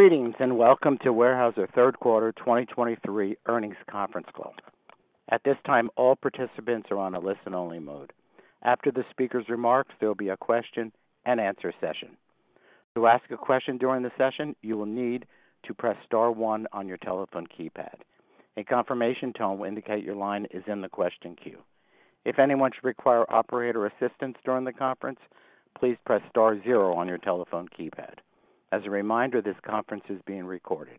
Greetings, and welcome to Weyerhaeuser Third Quarter 2023 Earnings Conference Call. At this time, all participants are on a listen-only mode. After the speaker's remarks, there'll be a question-and-answer session. To ask a question during the session, you will need to press star one on your telephone keypad. A confirmation tone will indicate your line is in the question queue. If anyone should require operator assistance during the conference, please press star zero on your telephone keypad. As a reminder, this conference is being recorded.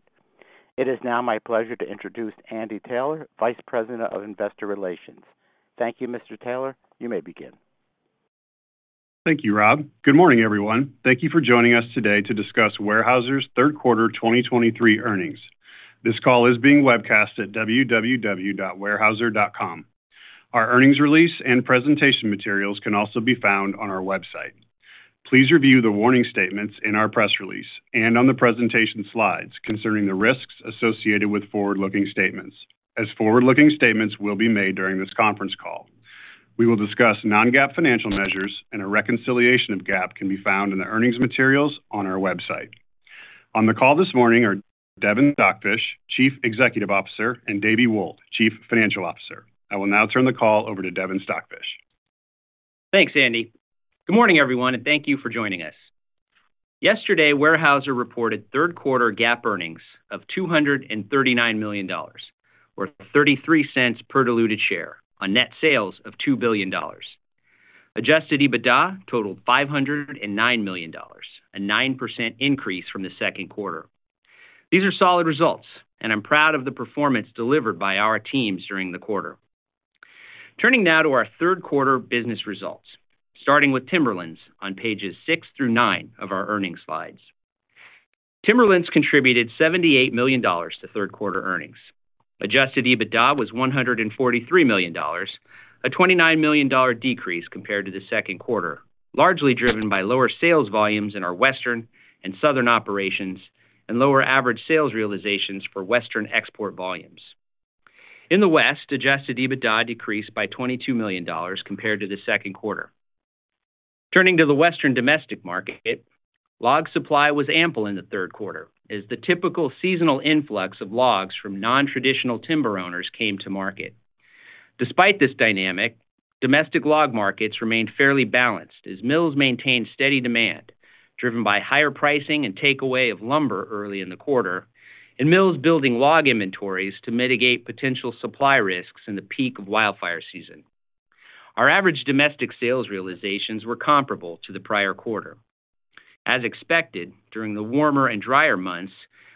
It is now my pleasure to introduce Andy Taylor, Vice President of Investor Relations. Thank you, Mr. Taylor. You may begin. Thank you, Rob. Good morning, everyone. Thank you for joining us today to discuss Weyerhaeuser's third quarter 2023 earnings. This call is being webcast at www.weyerhaeuser.com. Our earnings release and presentation materials can also be found on our website. Please review the warning statements in our press release and on the presentation slides concerning the risks associated with forward-looking statements, as forward-looking statements will be made during this conference call. We will discuss non-GAAP financial measures, and a reconciliation of GAAP can be found in the earnings materials on our website. On the call this morning are Devin Stockfish, Chief Executive Officer, and David Wold, Chief Financial Officer. I will now turn the call over to Devin Stockfish. Thanks, Andy. Good morning, everyone, and thank you for joining us. Yesterday, Weyerhaeuser reported third quarter GAAP earnings of $239 million, or $0.33 per diluted share on net sales of $2 billion. Adjusted EBITDA totaled $509 million, a 9% increase from the second quarter. These are solid results, and I'm proud of the performance delivered by our teams during the quarter. Turning now to our third quarter business results, starting with Timberlands on pages 6 through 9 of our earnings slides. Timberlands contributed $78 million to third-quarter earnings. Adjusted EBITDA was $143 million, a $29 million decrease compared to the second quarter, largely driven by lower sales volumes in our Western and Southern operations and lower average sales realizations for Western export volumes. In the West, adjusted EBITDA decreased by $22 million compared to the second quarter. Turning to the Western domestic market, log supply was ample in the third quarter as the typical seasonal influx of logs from non-traditional timber owners came to market. Despite this dynamic, domestic log markets remained fairly balanced as mills maintained steady demand, driven by higher pricing and takeaway of lumber early in the quarter, and mills building log inventories to mitigate potential supply risks in the peak of wildfire season. Our average domestic sales realizations were comparable to the prior quarter. As expected, during the warmer and drier months,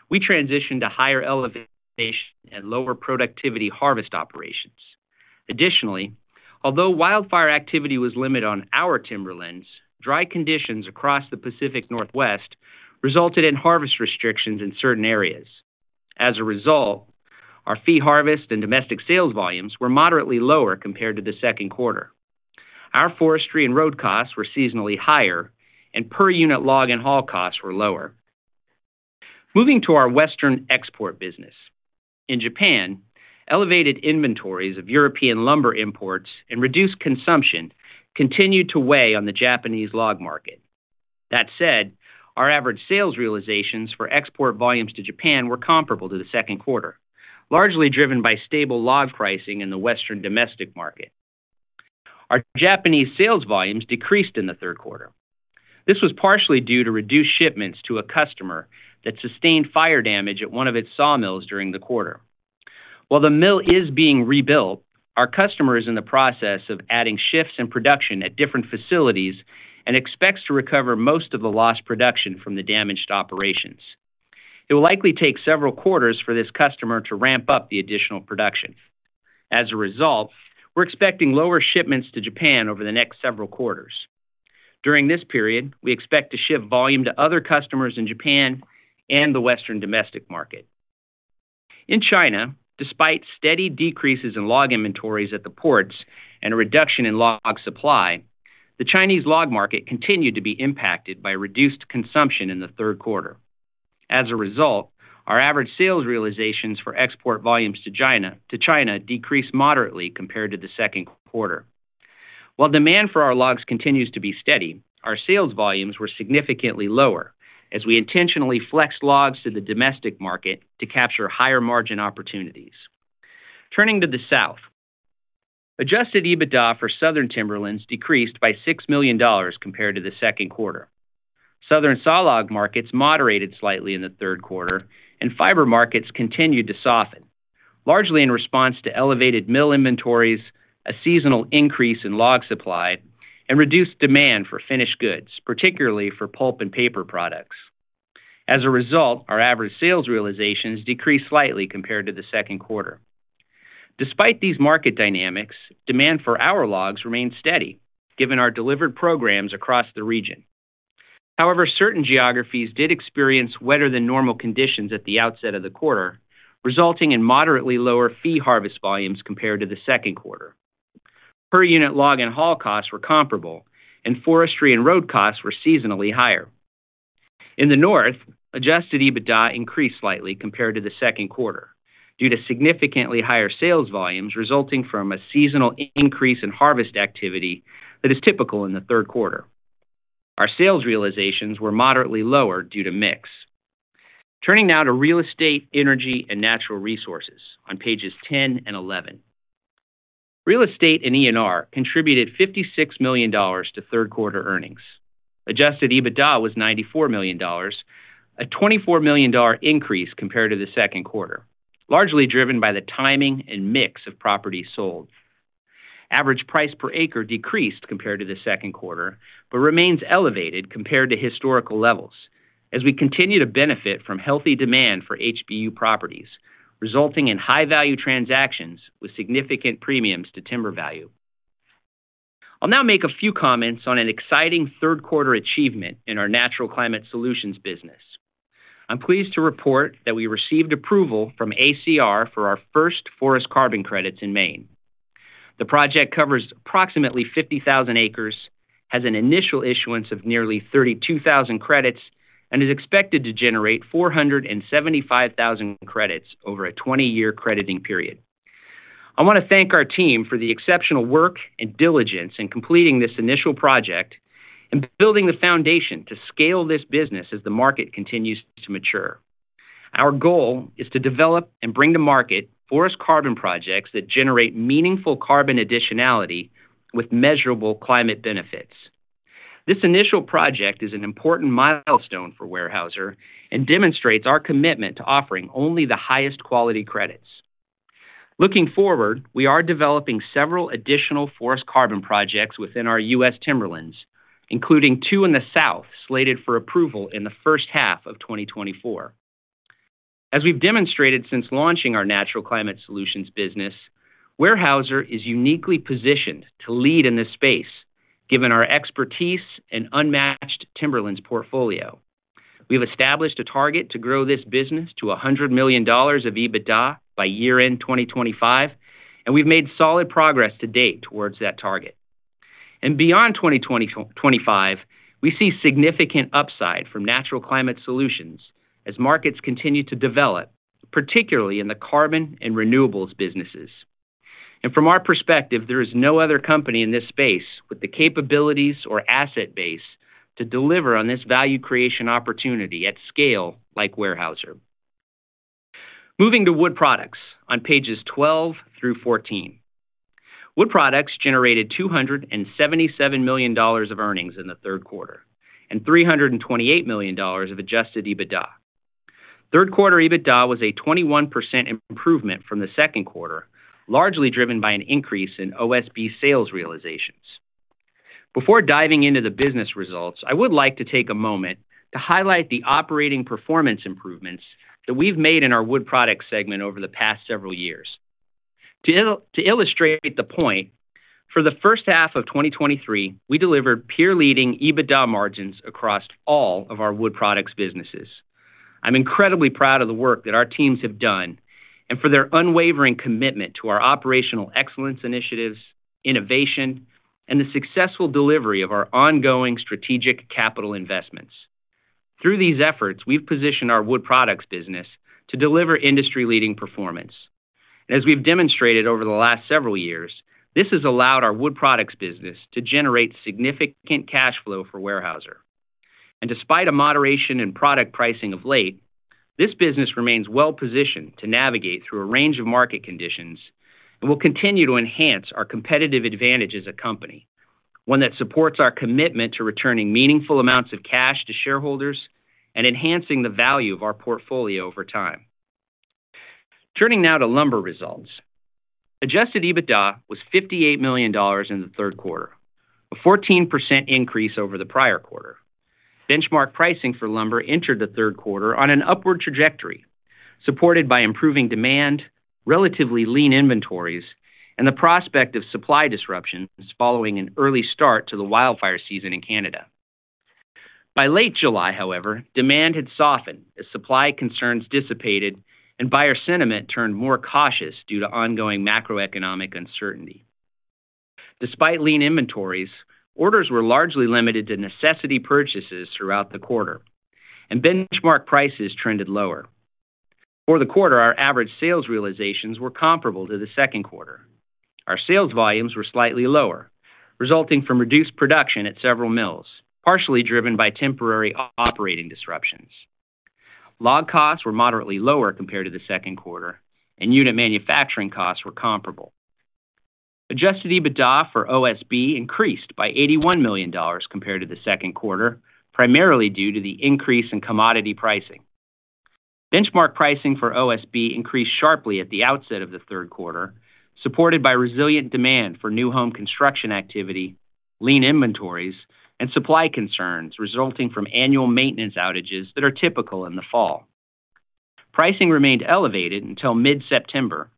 we transitioned to higher elevation and lower productivity harvest operations. Additionally, although wildfire activity was limited on our timberlands, dry conditions across the Pacific Northwest resulted in harvest restrictions in certain areas. As a result, our Fee Harvest and domestic sales volumes were moderately lower compared to the second quarter. Our forestry and road costs were seasonally higher, and per-unit log and haul costs were lower. Moving to our Western export business. In Japan, elevated inventories of European lumber imports and reduced consumption continued to weigh on the Japanese log market. That said, our average sales realizations for export volumes to Japan were comparable to the second quarter, largely driven by stable log pricing in the Western domestic market. Our Japanese sales volumes decreased in the third quarter. This was partially due to reduced shipments to a customer that sustained fire damage at one of its sawmills during the quarter. While the mill is being rebuilt, our customer is in the process of adding shifts in production at different facilities and expects to recover most of the lost production from the damaged operations. It will likely take several quarters for this customer to ramp up the additional production. As a result, we're expecting lower shipments to Japan over the next several quarters. During this period, we expect to ship volume to other customers in Japan and the Western domestic market. In China, despite steady decreases in log inventories at the ports and a reduction in log supply, the Chinese log market continued to be impacted by reduced consumption in the third quarter. As a result, our average sales realizations for export volumes to China, to China decreased moderately compared to the second quarter. While demand for our logs continues to be steady, our sales volumes were significantly lower as we intentionally flexed logs to the domestic market to capture higher-margin opportunities. Turning to the South, Adjusted EBITDA for Southern Timberlands decreased by $6 million compared to the second quarter. Southern sawlog markets moderated slightly in the third quarter, and fiber markets continued to soften, largely in response to elevated mill inventories, a seasonal increase in log supply, and reduced demand for finished goods, particularly for pulp and paper products. As a result, our average sales realizations decreased slightly compared to the second quarter. Despite these market dynamics, demand for our logs remained steady, given our delivered programs across the region. However, certain geographies did experience wetter than normal conditions at the outset of the quarter, resulting in moderately lower Fee Harvest volumes compared to the second quarter. Per-unit log and haul costs were comparable, and forestry and road costs were seasonally higher. In the North, Adjusted EBITDA increased slightly compared to the second quarter, due to significantly higher sales volumes resulting from a seasonal increase in harvest activity that is typical in the third quarter. Our sales realizations were moderately lower due to mix. Turning now to Real Estate, Energy, and Natural Resources on pages 10 and 11. Real estate and ENR contributed $56 million to third quarter earnings. Adjusted EBITDA was $94 million, a $24 million increase compared to the second quarter, largely driven by the timing and mix of properties sold. Average price per acre decreased compared to the second quarter, but remains elevated compared to historical levels as we continue to benefit from healthy demand for HBU properties, resulting in high-value transactions with significant premiums to timber value. I'll now make a few comments on an exciting third quarter achievement in our Natural Climate Solutions business. I'm pleased to report that we received approval from ACR for our first forest carbon credits in Maine. The project covers approximately 50,000 acres, has an initial issuance of nearly 32,000 credits, and is expected to generate 475,000 credits over a 20-year crediting period. I want to thank our team for the exceptional work and diligence in completing this initial project and building the foundation to scale this business as the market continues to mature. Our goal is to develop and bring to market forest carbon projects that generate meaningful carbon additionality with measurable climate benefits. This initial project is an important milestone for Weyerhaeuser and demonstrates our commitment to offering only the highest quality credits. Looking forward, we are developing several additional forest carbon projects within our U.S. timberlands, including two in the South, slated for approval in the first half of 2024. As we've demonstrated since launching our Natural Climate Solutions business, Weyerhaeuser is uniquely positioned to lead in this space, given our expertise and unmatched timberlands portfolio. We've established a target to grow this business to $100 million of EBITDA by year-end 2025, and we've made solid progress to date towards that target. And beyond 2025, we see significant upside from Natural Climate Solutions as markets continue to develop, particularly in the carbon and renewables businesses. And from our perspective, there is no other company in this space with the capabilities or asset base to deliver on this value creation opportunity at scale like Weyerhaeuser. Moving to Wood Products on pages 12 through 14. Wood Products generated $277 million of earnings in the third quarter, and $328 million of adjusted EBITDA. Third quarter EBITDA was a 21% improvement from the second quarter, largely driven by an increase in OSB sales realizations. Before diving into the business results, I would like to take a moment to highlight the operating performance improvements that we've made in our Wood Products segment over the past several years. To illustrate the point, for the first half of 2023, we delivered peer-leading EBITDA margins across all of our Wood Products businesses. I'm incredibly proud of the work that our teams have done and for their unwavering commitment to our operational excellence initiatives, innovation, and the successful delivery of our ongoing strategic capital investments. Through these efforts, we've positioned our Wood Products business to deliver industry-leading performance. As we've demonstrated over the last several years, this has allowed our Wood Products business to generate significant cash flow for Weyerhaeuser. And despite a moderation in product pricing of late, this business remains well-positioned to navigate through a range of market conditions and will continue to enhance our competitive advantage as a company, one that supports our commitment to returning meaningful amounts of cash to shareholders and enhancing the value of our portfolio over time. Turning now to lumber results. Adjusted EBITDA was $58 million in the third quarter, a 14% increase over the prior quarter. Benchmark pricing for lumber entered the third quarter on an upward trajectory, supported by improving demand, relatively lean inventories, and the prospect of supply disruptions following an early start to the wildfire season in Canada. By late July, however, demand had softened as supply concerns dissipated and buyer sentiment turned more cautious due to ongoing macroeconomic uncertainty. Despite lean inventories, orders were largely limited to necessity purchases throughout the quarter, and benchmark prices trended lower. For the quarter, our average sales realizations were comparable to the second quarter. Our sales volumes were slightly lower, resulting from reduced production at several mills, partially driven by temporary operating disruptions. Log costs were moderately lower compared to the second quarter, and unit manufacturing costs were comparable. Adjusted EBITDA for OSB increased by $81 million compared to the second quarter, primarily due to the increase in commodity pricing. Benchmark pricing for OSB increased sharply at the outset of the third quarter, supported by resilient demand for new home construction activity, lean inventories, and supply concerns resulting from annual maintenance outages that are typical in the fall. Pricing remained elevated until mid-September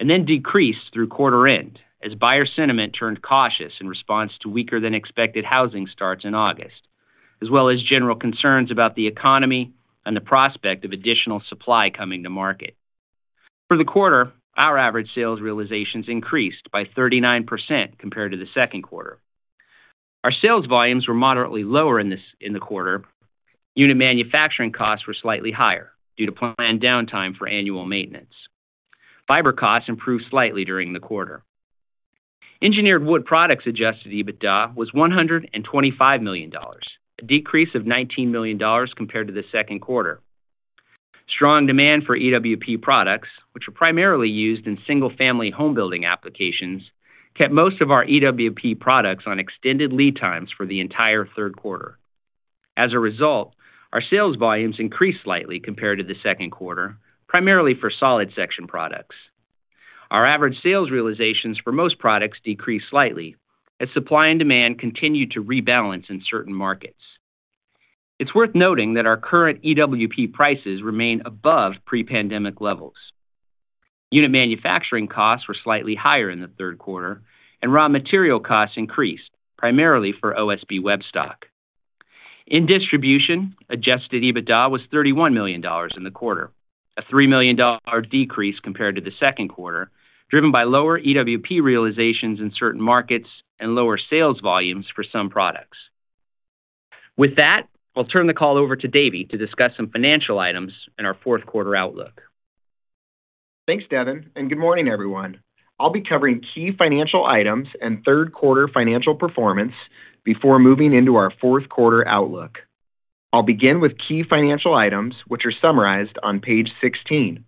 and then decreased through quarter end as buyer sentiment turned cautious in response to weaker-than-expected housing starts in August, as well as general concerns about the economy and the prospect of additional supply coming to market. For the quarter, our average sales realizations increased by 39% compared to the second quarter. Our sales volumes were moderately lower in the quarter. Unit manufacturing costs were slightly higher due to planned downtime for annual maintenance. Fiber costs improved slightly during the quarter. Engineered Wood Products adjusted EBITDA was $125 million, a decrease of $19 million compared to the second quarter. Strong demand for EWP products, which were primarily used in single-family home building applications, kept most of our EWP products on extended lead times for the entire third quarter. As a result, our sales volumes increased slightly compared to the second quarter, primarily for Solid Section Products. Our average sales realizations for most products decreased slightly as supply and demand continued to rebalance in certain markets. It's worth noting that our current EWP prices remain above pre-pandemic levels. Unit manufacturing costs were slightly higher in the third quarter, and raw material costs increased, primarily for OSB web stock. In distribution, Adjusted EBITDA was $31 million in the quarter, a $3 million decrease compared to the second quarter, driven by lower EWP realizations in certain markets and lower sales volumes for some products. With that, I'll turn the call over to David to discuss some financial items and our fourth quarter outlook. Thanks, Devin, and good morning, everyone. I'll be covering key financial items and third quarter financial performance before moving into our fourth quarter outlook. I'll begin with key financial items, which are summarized on page 16.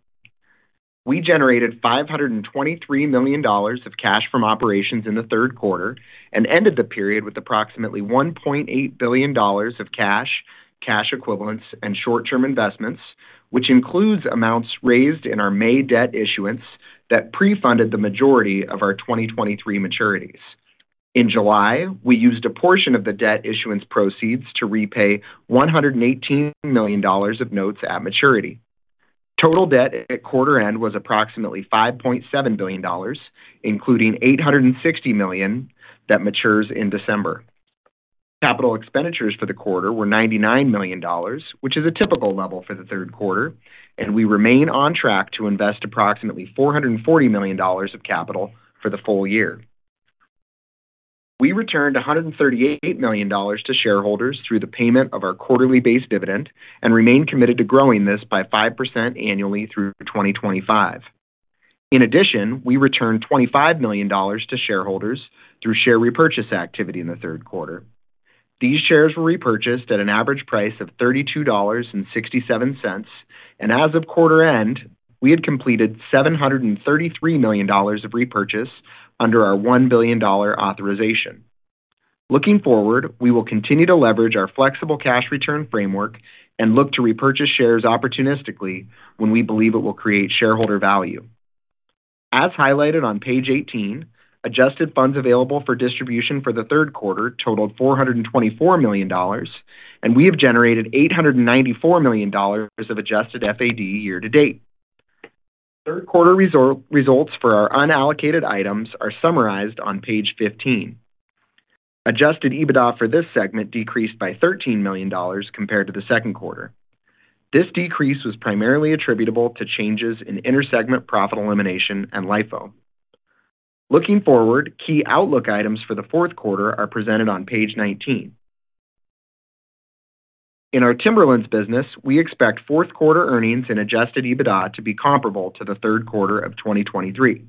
We generated $523 million of cash from operations in the third quarter and ended the period with approximately $1.8 billion of cash, cash equivalents, and short-term investments, which includes amounts raised in our May debt issuance that pre-funded the majority of our 2023 maturities. In July, we used a portion of the debt issuance proceeds to repay $118 million of notes at maturity. Total debt at quarter end was approximately $5.7 billion, including $860 million that matures in December. Capital expenditures for the quarter were $99 million, which is a typical level for the third quarter, and we remain on track to invest approximately $440 million of capital for the full year. We returned $138 million to shareholders through the payment of our quarterly base dividend and remain committed to growing this by 5% annually through 2025. In addition, we returned $25 million to shareholders through share repurchase activity in the third quarter. These shares were repurchased at an average price of $32.67, and as of quarter end, we had completed $733 million of repurchase under our $1 billion authorization. Looking forward, we will continue to leverage our flexible cash return framework and look to repurchase shares opportunistically when we believe it will create shareholder value. As highlighted on page 18, Adjusted Funds Available for Distribution for the third quarter totaled $424 million, and we have generated $894 million of Adjusted FAD year to date. Third quarter results for our unallocated items are summarized on page 15. Adjusted EBITDA for this segment decreased by $13 million compared to the second quarter. This decrease was primarily attributable to changes in intersegment profit elimination and LIFO. Looking forward, key outlook items for the fourth quarter are presented on page 19. In our timberlands business, we expect fourth quarter earnings and Adjusted EBITDA to be comparable to the third quarter of 2023.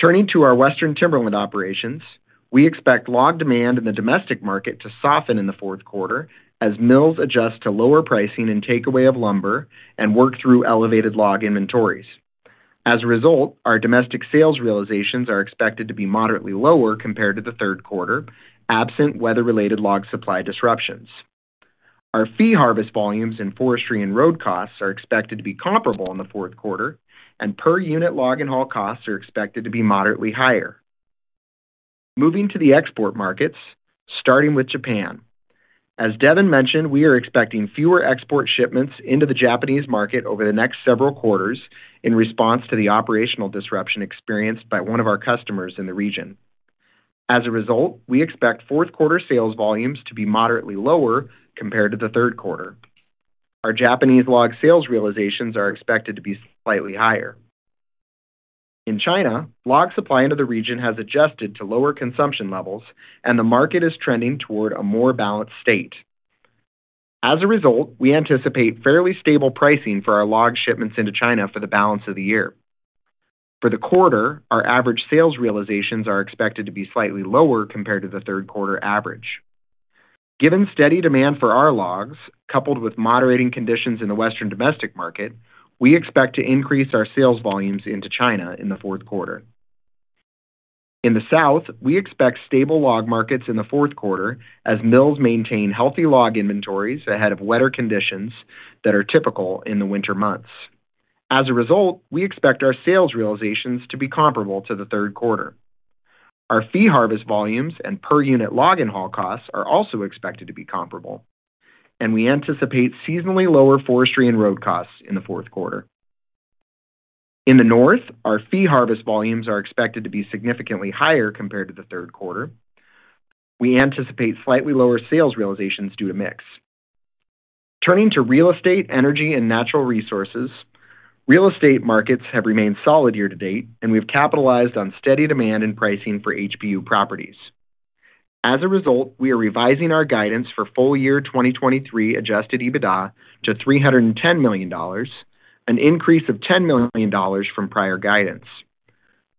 Turning to our western timberland operations, we expect log demand in the domestic market to soften in the fourth quarter as mills adjust to lower pricing and take away of lumber and work through elevated log inventories. As a result, our domestic sales realizations are expected to be moderately lower compared to the third quarter, absent weather-related log supply disruptions. Our Fee Harvest volumes and forestry and road costs are expected to be comparable in the fourth quarter, and per-unit log and haul costs are expected to be moderately higher. Moving to the export markets, starting with Japan. As Devin mentioned, we are expecting fewer export shipments into the Japanese market over the next several quarters in response to the operational disruption experienced by one of our customers in the region. As a result, we expect fourth quarter sales volumes to be moderately lower compared to the third quarter. Our Japanese log sales realizations are expected to be slightly higher. In China, log supply into the region has adjusted to lower consumption levels, and the market is trending toward a more balanced state. As a result, we anticipate fairly stable pricing for our log shipments into China for the balance of the year. For the quarter, our average sales realizations are expected to be slightly lower compared to the third quarter average. Given steady demand for our logs, coupled with moderating conditions in the western domestic market, we expect to increase our sales volumes into China in the fourth quarter. In the south, we expect stable log markets in the fourth quarter as mills maintain healthy log inventories ahead of wetter conditions that are typical in the winter months. As a result, we expect our sales realizations to be comparable to the third quarter. Our Fee Harvest volumes and per-unit log and haul costs are also expected to be comparable, and we anticipate seasonally lower forestry and road costs in the fourth quarter. In the north, our Fee Harvest volumes are expected to be significantly higher compared to the third quarter. We anticipate slightly lower sales realizations due to mix. Turning to Real Estate, Energy, and Natural Resources. Real estate markets have remained solid year to date, and we've capitalized on steady demand and pricing for HBU properties. As a result, we are revising our guidance for full year 2023 adjusted EBITDA to $310 million, an increase of $10 million from prior guidance.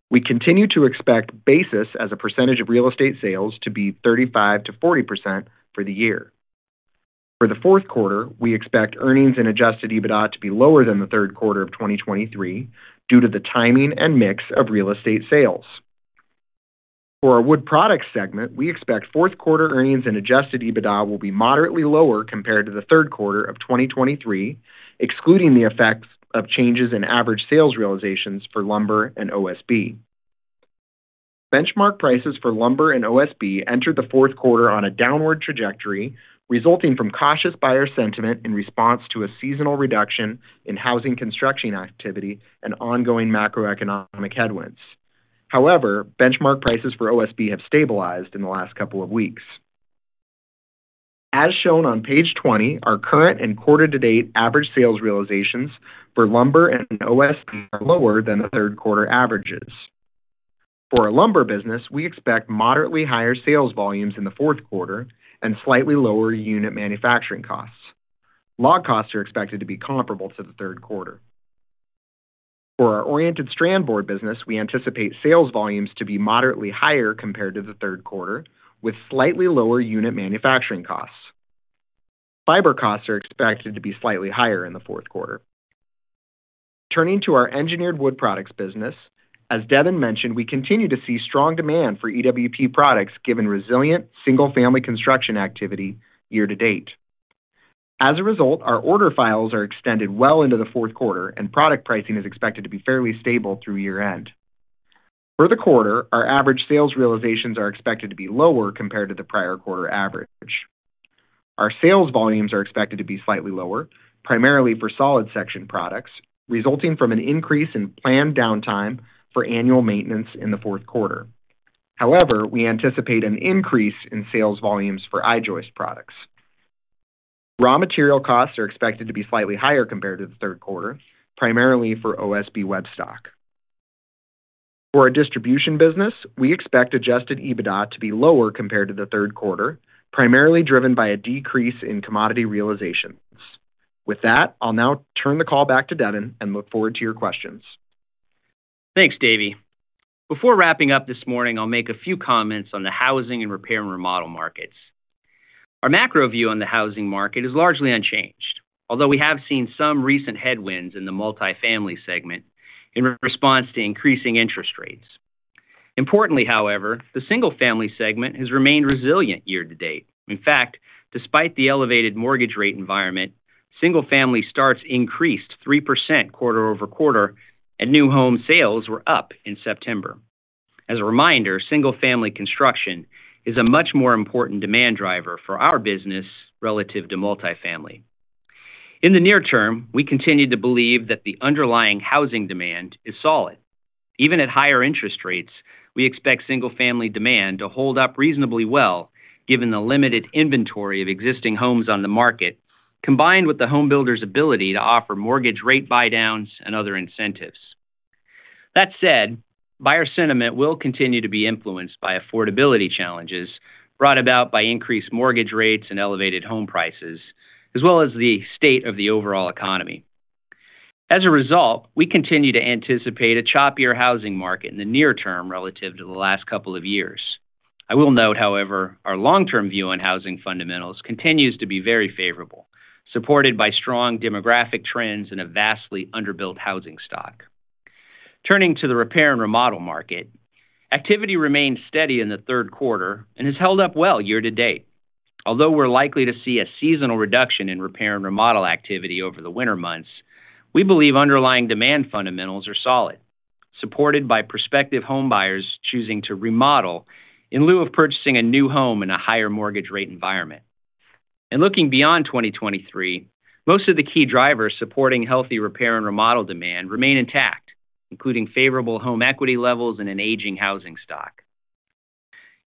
We continue to expect basis as a percentage of real estate sales to be 35%-40% for the year. For the fourth quarter, we expect earnings and Adjusted EBITDA to be lower than the third quarter of 2023 due to the timing and mix of real estate sales. For our Wood Products segment, we expect fourth quarter earnings and Adjusted EBITDA will be moderately lower compared to the third quarter of 2023, excluding the effects of changes in average sales realizations for lumber and OSB. Benchmark prices for lumber and OSB entered the fourth quarter on a downward trajectory, resulting from cautious buyer sentiment in response to a seasonal reduction in housing construction activity and ongoing macroeconomic headwinds. However, benchmark prices for OSB have stabilized in the last couple of weeks. As shown on page 20, our current and quarter-to-date average sales realizations for lumber and OSB are lower than the third quarter averages. For our lumber business, we expect moderately higher sales volumes in the fourth quarter and slightly lower unit manufacturing costs. Log costs are expected to be comparable to the third quarter. For our oriented strand board business, we anticipate sales volumes to be moderately higher compared to the third quarter, with slightly lower unit manufacturing costs. Fiber costs are expected to be slightly higher in the fourth quarter. Turning to our engineered Wood Products business, as Devin mentioned, we continue to see strong demand for EWP products given resilient single-family construction activity year to date. As a result, our order files are extended well into the fourth quarter, and product pricing is expected to be fairly stable through year-end. For the quarter, our average sales realizations are expected to be lower compared to the prior quarter average. Our sales volumes are expected to be slightly lower, primarily for solid section products, resulting from an increase in planned downtime for annual maintenance in the fourth quarter. However, we anticipate an increase in sales volumes for I-joist products. Raw material costs are expected to be slightly higher compared to the third quarter, primarily for OSB web stock. For our distribution business, we expect Adjusted EBITDA to be lower compared to the third quarter, primarily driven by a decrease in commodity realizations. With that, I'll now turn the call back to Devin and look forward to your questions. Thanks, David. Before wrapping up this morning, I'll make a few comments on the housing and repair and remodel markets. Our macro view on the housing market is largely unchanged, although we have seen some recent headwinds in the multifamily segment in response to increasing interest rates. Importantly, however, the single family segment has remained resilient year to date. In fact, despite the elevated mortgage rate environment, single family starts increased 3% quarter-over-quarter, and new home sales were up in September. As a reminder, single family construction is a much more important demand driver for our business relative to multifamily. In the near term, we continue to believe that the underlying housing demand is solid. Even at higher interest rates, we expect single family demand to hold up reasonably well, given the limited inventory of existing homes on the market, combined with the home builder's ability to offer mortgage rate buydowns and other incentives. That said, buyer sentiment will continue to be influenced by affordability challenges brought about by increased mortgage rates and elevated home prices, as well as the state of the overall economy. As a result, we continue to anticipate a choppier housing market in the near term relative to the last couple of years. I will note, however, our long-term view on housing fundamentals continues to be very favorable, supported by strong demographic trends and a vastly underbuilt housing stock. Turning to the repair and remodel market, activity remained steady in the third quarter and has held up well year to date. Although we're likely to see a seasonal reduction in repair and remodel activity over the winter months, we believe underlying demand fundamentals are solid, supported by prospective home buyers choosing to remodel in lieu of purchasing a new home in a higher mortgage rate environment. Looking beyond 2023, most of the key drivers supporting healthy repair and remodel demand remain intact, including favorable home equity levels and an aging housing stock.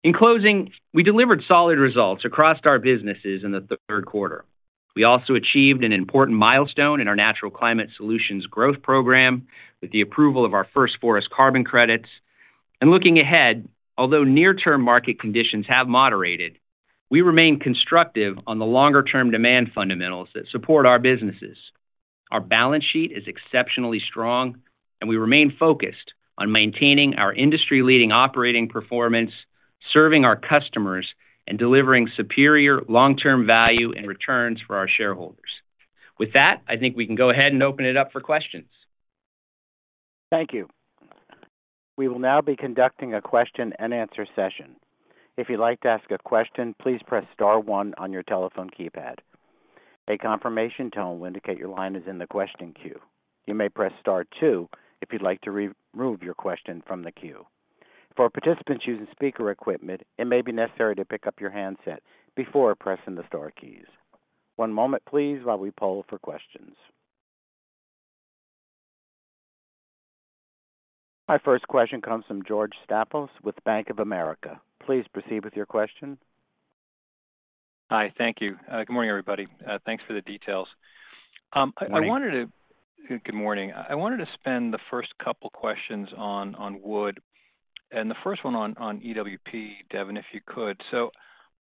In closing, we delivered solid results across our businesses in the third quarter. We also achieved an important milestone in our Natural Climate Solutions growth program with the approval of our first forest carbon credits. Looking ahead, although near-term market conditions have moderated, we remain constructive on the longer-term demand fundamentals that support our businesses. Our balance sheet is exceptionally strong, and we remain focused on maintaining our industry-leading operating performance, serving our customers, and delivering superior long-term value and returns for our shareholders. With that, I think we can go ahead and open it up for questions. Thank you. We will now be conducting a question and answer session. If you'd like to ask a question, please press star one on your telephone keypad. A confirmation tone will indicate your line is in the question queue. You may press star two if you'd like to re-remove your question from the queue. For participants using speaker equipment, it may be necessary to pick up your handset before pressing the star keys. One moment, please, while we poll for questions. My first question comes from George Staphos with Bank of America. Please proceed with your question. Hi. Thank you. Good morning, everybody. Thanks for the details. Good morning. Good morning. I wanted to spend the first couple questions on wood, and the first one on EWP, Devin, if you could. So,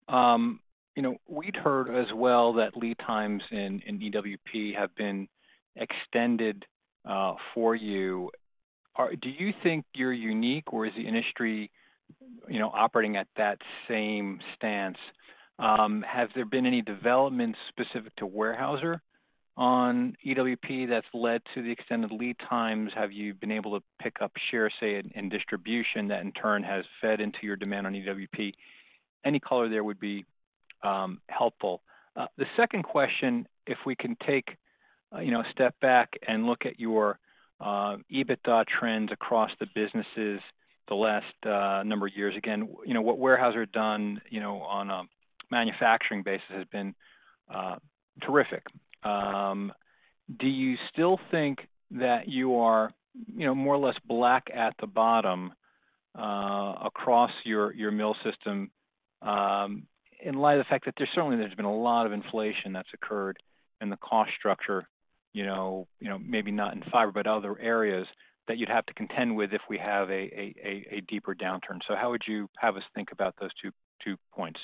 you know, we'd heard as well that lead times in EWP have been extended for you. Do you think you're unique, or is the industry, you know, operating at that same stance? Has there been any developments specific to Weyerhaeuser on EWP that's led to the extended lead times? Have you been able to pick up share, say, in distribution, that in turn has fed into your demand on EWP? Any color there would be helpful. The second question, if we can take, you know, a step back and look at your EBITDA trends across the businesses the last number of years. Again, you know, what Weyerhaeuser has done, you know, on a manufacturing basis has been terrific. Do you still think that you are, you know, more or less black at the bottom across your mill system in light of the fact that there's certainly been a lot of inflation that's occurred in the cost structure, you know, you know, maybe not in fiber, but other areas that you'd have to contend with if we have a deeper downturn. So how would you have us think about those two points?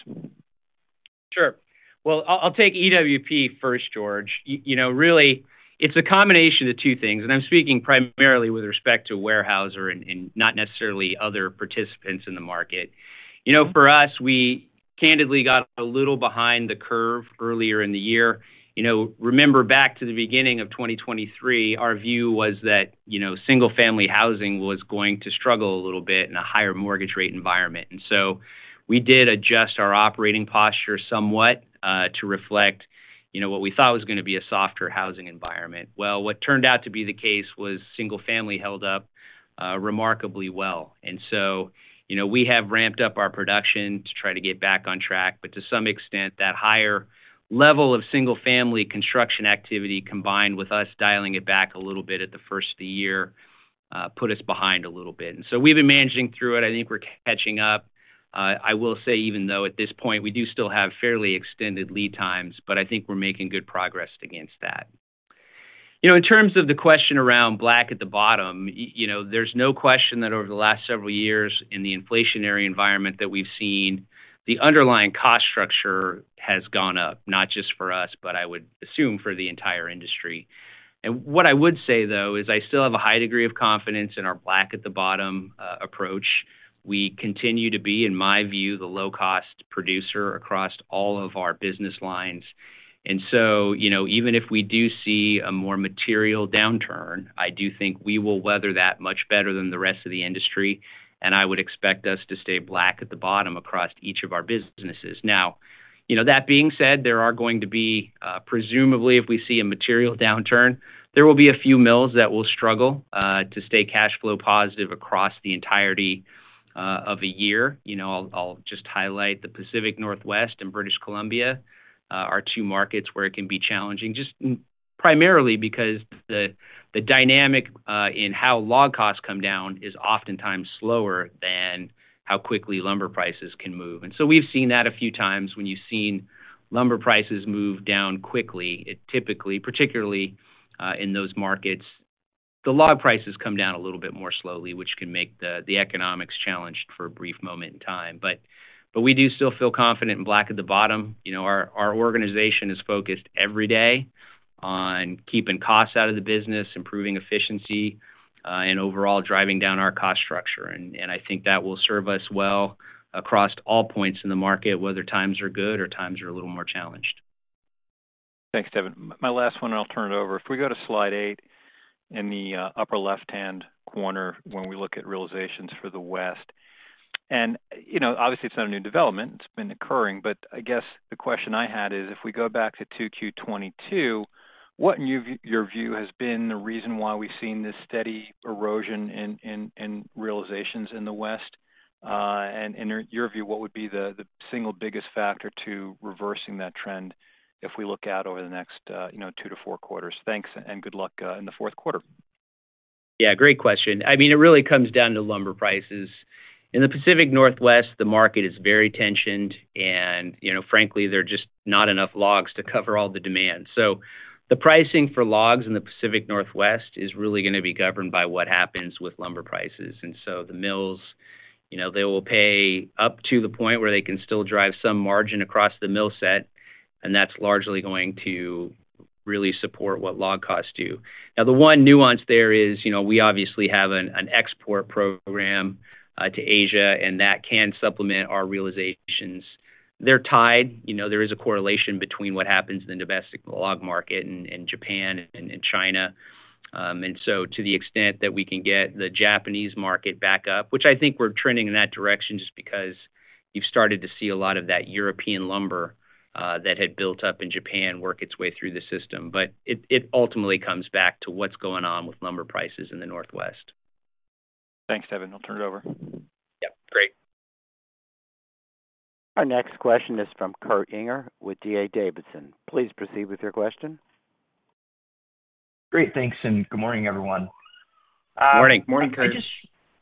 Sure. Well, I'll take EWP first, George. You know, really, it's a combination of two things, and I'm speaking primarily with respect to Weyerhaeuser and not necessarily other participants in the market. You know, for us, we candidly got a little behind the curve earlier in the year. You know, remember, back to the beginning of 2023, our view was that, you know, single-family housing was going to struggle a little bit in a higher mortgage rate environment. And so we did adjust our operating posture somewhat to reflect, you know, what we thought was gonna be a softer housing environment. Well, what turned out to be the case was single-family held up remarkably well. And so, you know, we have ramped up our production to try to get back on track. To some extent, that higher level of single-family construction activity, combined with us dialing it back a little bit at the first of the year, put us behind a little bit. We've been managing through it. I think we're catching up. I will say, even though at this point, we do still have fairly extended lead times, I think we're making good progress against that. You know, in terms of the question around black at the bottom, you know, there's no question that over the last several years in the inflationary environment that we've seen, the underlying cost structure has gone up, not just for us, but I would assume for the entire industry. What I would say, though, is I still have a high degree of confidence in our black at the bottom approach. We continue to be, in my view, the low-cost producer across all of our business lines. And so, you know, even if we do see a more material downturn, I do think we will weather that much better than the rest of the industry, and I would expect us to stay black at the bottom across each of our businesses. Now, you know, that being said, there are going to be, presumably, if we see a material downturn, there will be a few mills that will struggle to stay cash flow positive across the entirety of a year. You know, I'll just highlight the Pacific Northwest and British Columbia are two markets where it can be challenging, just primarily because the dynamic in how log costs come down is oftentimes slower than how quickly lumber prices can move. And so we've seen that a few times. When you've seen lumber prices move down quickly, it typically, particularly in those markets, the log prices come down a little bit more slowly, which can make the economics challenged for a brief moment in time. But we do still feel confident in being black at the bottom. You know, our organization is focused every day on keeping costs out of the business, improving efficiency, and overall driving down our cost structure. And I think that will serve us well across all points in the market, whether times are good or times are a little more challenged. Thanks, Devin. My last one, and I'll turn it over. If we go to Slide 8, in the upper left-hand corner, when we look at realizations for the West, and, you know, obviously, it's not a new development, it's been occurring. But I guess the question I had is, if we go back to 2Q 2022, what in your view, has been the reason why we've seen this steady erosion in realizations in the West? And in your view, what would be the single biggest factor to reversing that trend if we look out over the next, you know, 2-4 quarters? Thanks, and good luck in the fourth quarter. Yeah, great question. I mean, it really comes down to lumber prices. In the Pacific Northwest, the market is very tensioned, and you know, frankly, there are just not enough logs to cover all the demand. So the pricing for logs in the Pacific Northwest is really gonna be governed by what happens with lumber prices. And so the mills, you know, they will pay up to the point where they can still drive some margin across the mill set, and that's largely going to really support what log costs do. Now, the one nuance there is, you know, we obviously have an export program to Asia, and that can supplement our realizations. They're tied. You know, there is a correlation between what happens in the domestic log market and in Japan and in China. And so to the extent that we can get the Japanese market back up, which I think we're trending in that direction, just because you've started to see a lot of that European lumber that had built up in Japan work its way through the system. But it ultimately comes back to what's going on with lumber prices in the Northwest. Thanks, Devin. I'll turn it over. Yep, great. Our next question is from Kurt Yinger with D.A. Davidson. Please proceed with your question. Great. Thanks, and good morning, everyone. Morning. Morning, Kurt.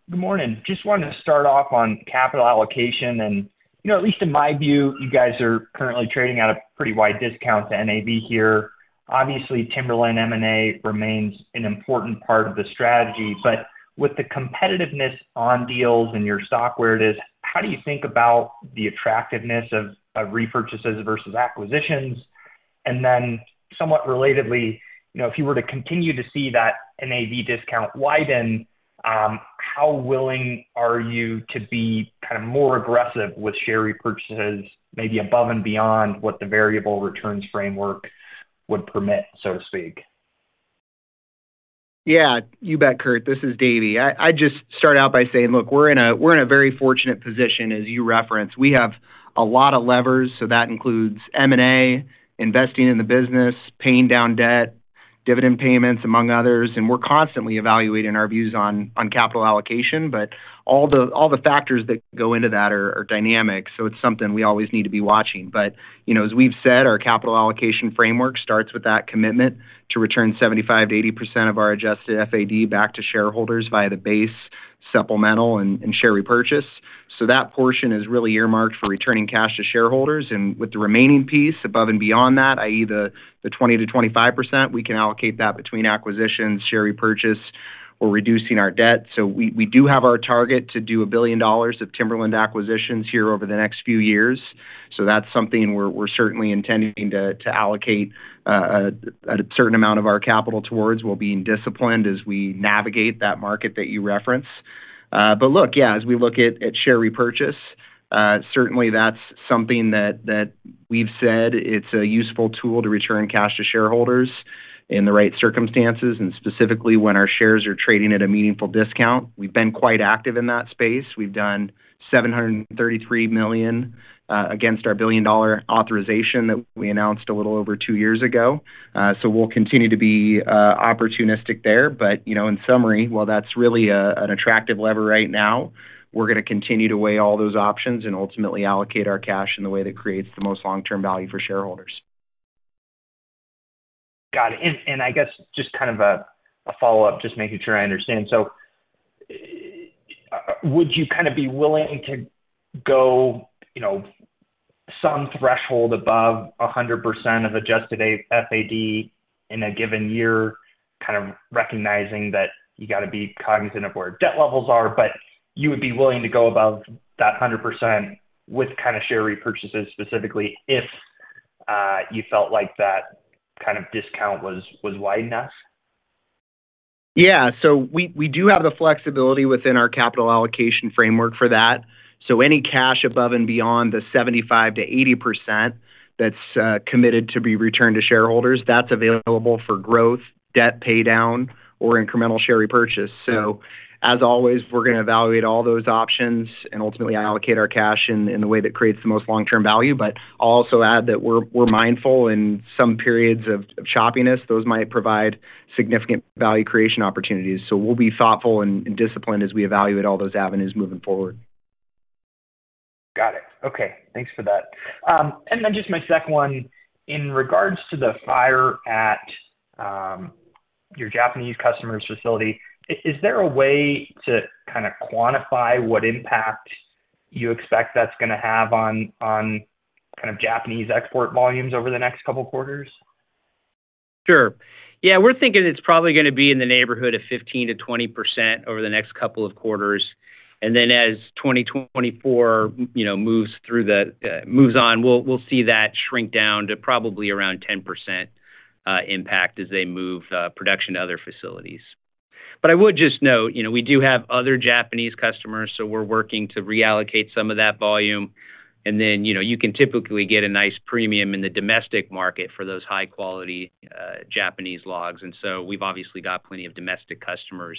Good morning. Just wanted to start off on capital allocation and, you know, at least in my view, you guys are currently trading at a pretty wide discount to NAV here. Obviously, timberland M&A remains an important part of the strategy, but with the competitiveness on deals and your stock where it is, how do you think about the attractiveness of repurchases versus acquisitions? And then, somewhat relatedly, you know, if you were to continue to see that NAV discount widen, how willing are you to be kind of more aggressive with share repurchases, maybe above and beyond what the variable returns framework would permit, so to speak? Yeah, you bet, Kurt. This is David. I, I just start out by saying, look, we're in a, we're in a very fortunate position as you referenced. We have a lot of levers, so that includes M&A, investing in the business, paying down debt, dividend payments, among others, and we're constantly evaluating our views on, on capital allocation. But all the, all the factors that go into that are, are dynamic, so it's something we always need to be watching. But, you know, as we've said, our capital allocation framework starts with that commitment to return 75%-80% of our adjusted FAD back to shareholders via the base, supplemental and, and share repurchase. So that portion is really earmarked for returning cash to shareholders, and with the remaining piece above and beyond that, i.e., the 20%-25%, we can allocate that between acquisitions, share repurchase, or reducing our debt. So we do have our target to do $1 billion of timberland acquisitions here over the next few years. So that's something we're certainly intending to allocate a certain amount of our capital towards. We're being disciplined as we navigate that market that you referenced. But look, yeah, as we look at share repurchase, certainly that's something that we've said it's a useful tool to return cash to shareholders in the right circumstances, and specifically when our shares are trading at a meaningful discount. We've been quite active in that space. We've done $733 million against our $1 billion authorization that we announced a little over two years ago. So we'll continue to be opportunistic there. But, you know, in summary, while that's really an attractive lever right now, we're gonna continue to weigh all those options and ultimately allocate our cash in the way that creates the most long-term value for shareholders. Got it. And I guess just kind of a follow-up, just making sure I understand. So, would you kind of be willing to go, you know, some threshold above 100% of adjusted FAD in a given year, kind of recognizing that you got to be cognizant of where debt levels are, but you would be willing to go above that 100% with kind of share repurchases specifically, if you felt like that kind of discount was wide enough? Yeah. So we, we do have the flexibility within our capital allocation framework for that. So any cash above and beyond the 75%-80% that's committed to be returned to shareholders, that's available for growth, debt paydown, or incremental share repurchase. So as always, we're gonna evaluate all those options and ultimately allocate our cash in, in a way that creates the most long-term value. But I'll also add that we're, we're mindful in some periods of, of choppiness, those might provide significant value creation opportunities. So we'll be thoughtful and, and disciplined as we evaluate all those avenues moving forward. Got it. Okay, thanks for that. And then just my second one: in regards to the fire at your Japanese customer's facility, is there a way to kind of quantify what impact you expect that's gonna have on kind of Japanese export volumes over the next couple quarters? Sure. Yeah, we're thinking it's probably gonna be in the neighborhood of 15%-20% over the next couple of quarters, and then as 2024, you know, moves through the, moves on, we'll, we'll see that shrink down to probably around 10% impact as they move production to other facilities. But I would just note, you know, we do have other Japanese customers, so we're working to reallocate some of that volume. And then, you know, you can typically get a nice premium in the domestic market for those high-quality Japanese logs. And so we've obviously got plenty of domestic customers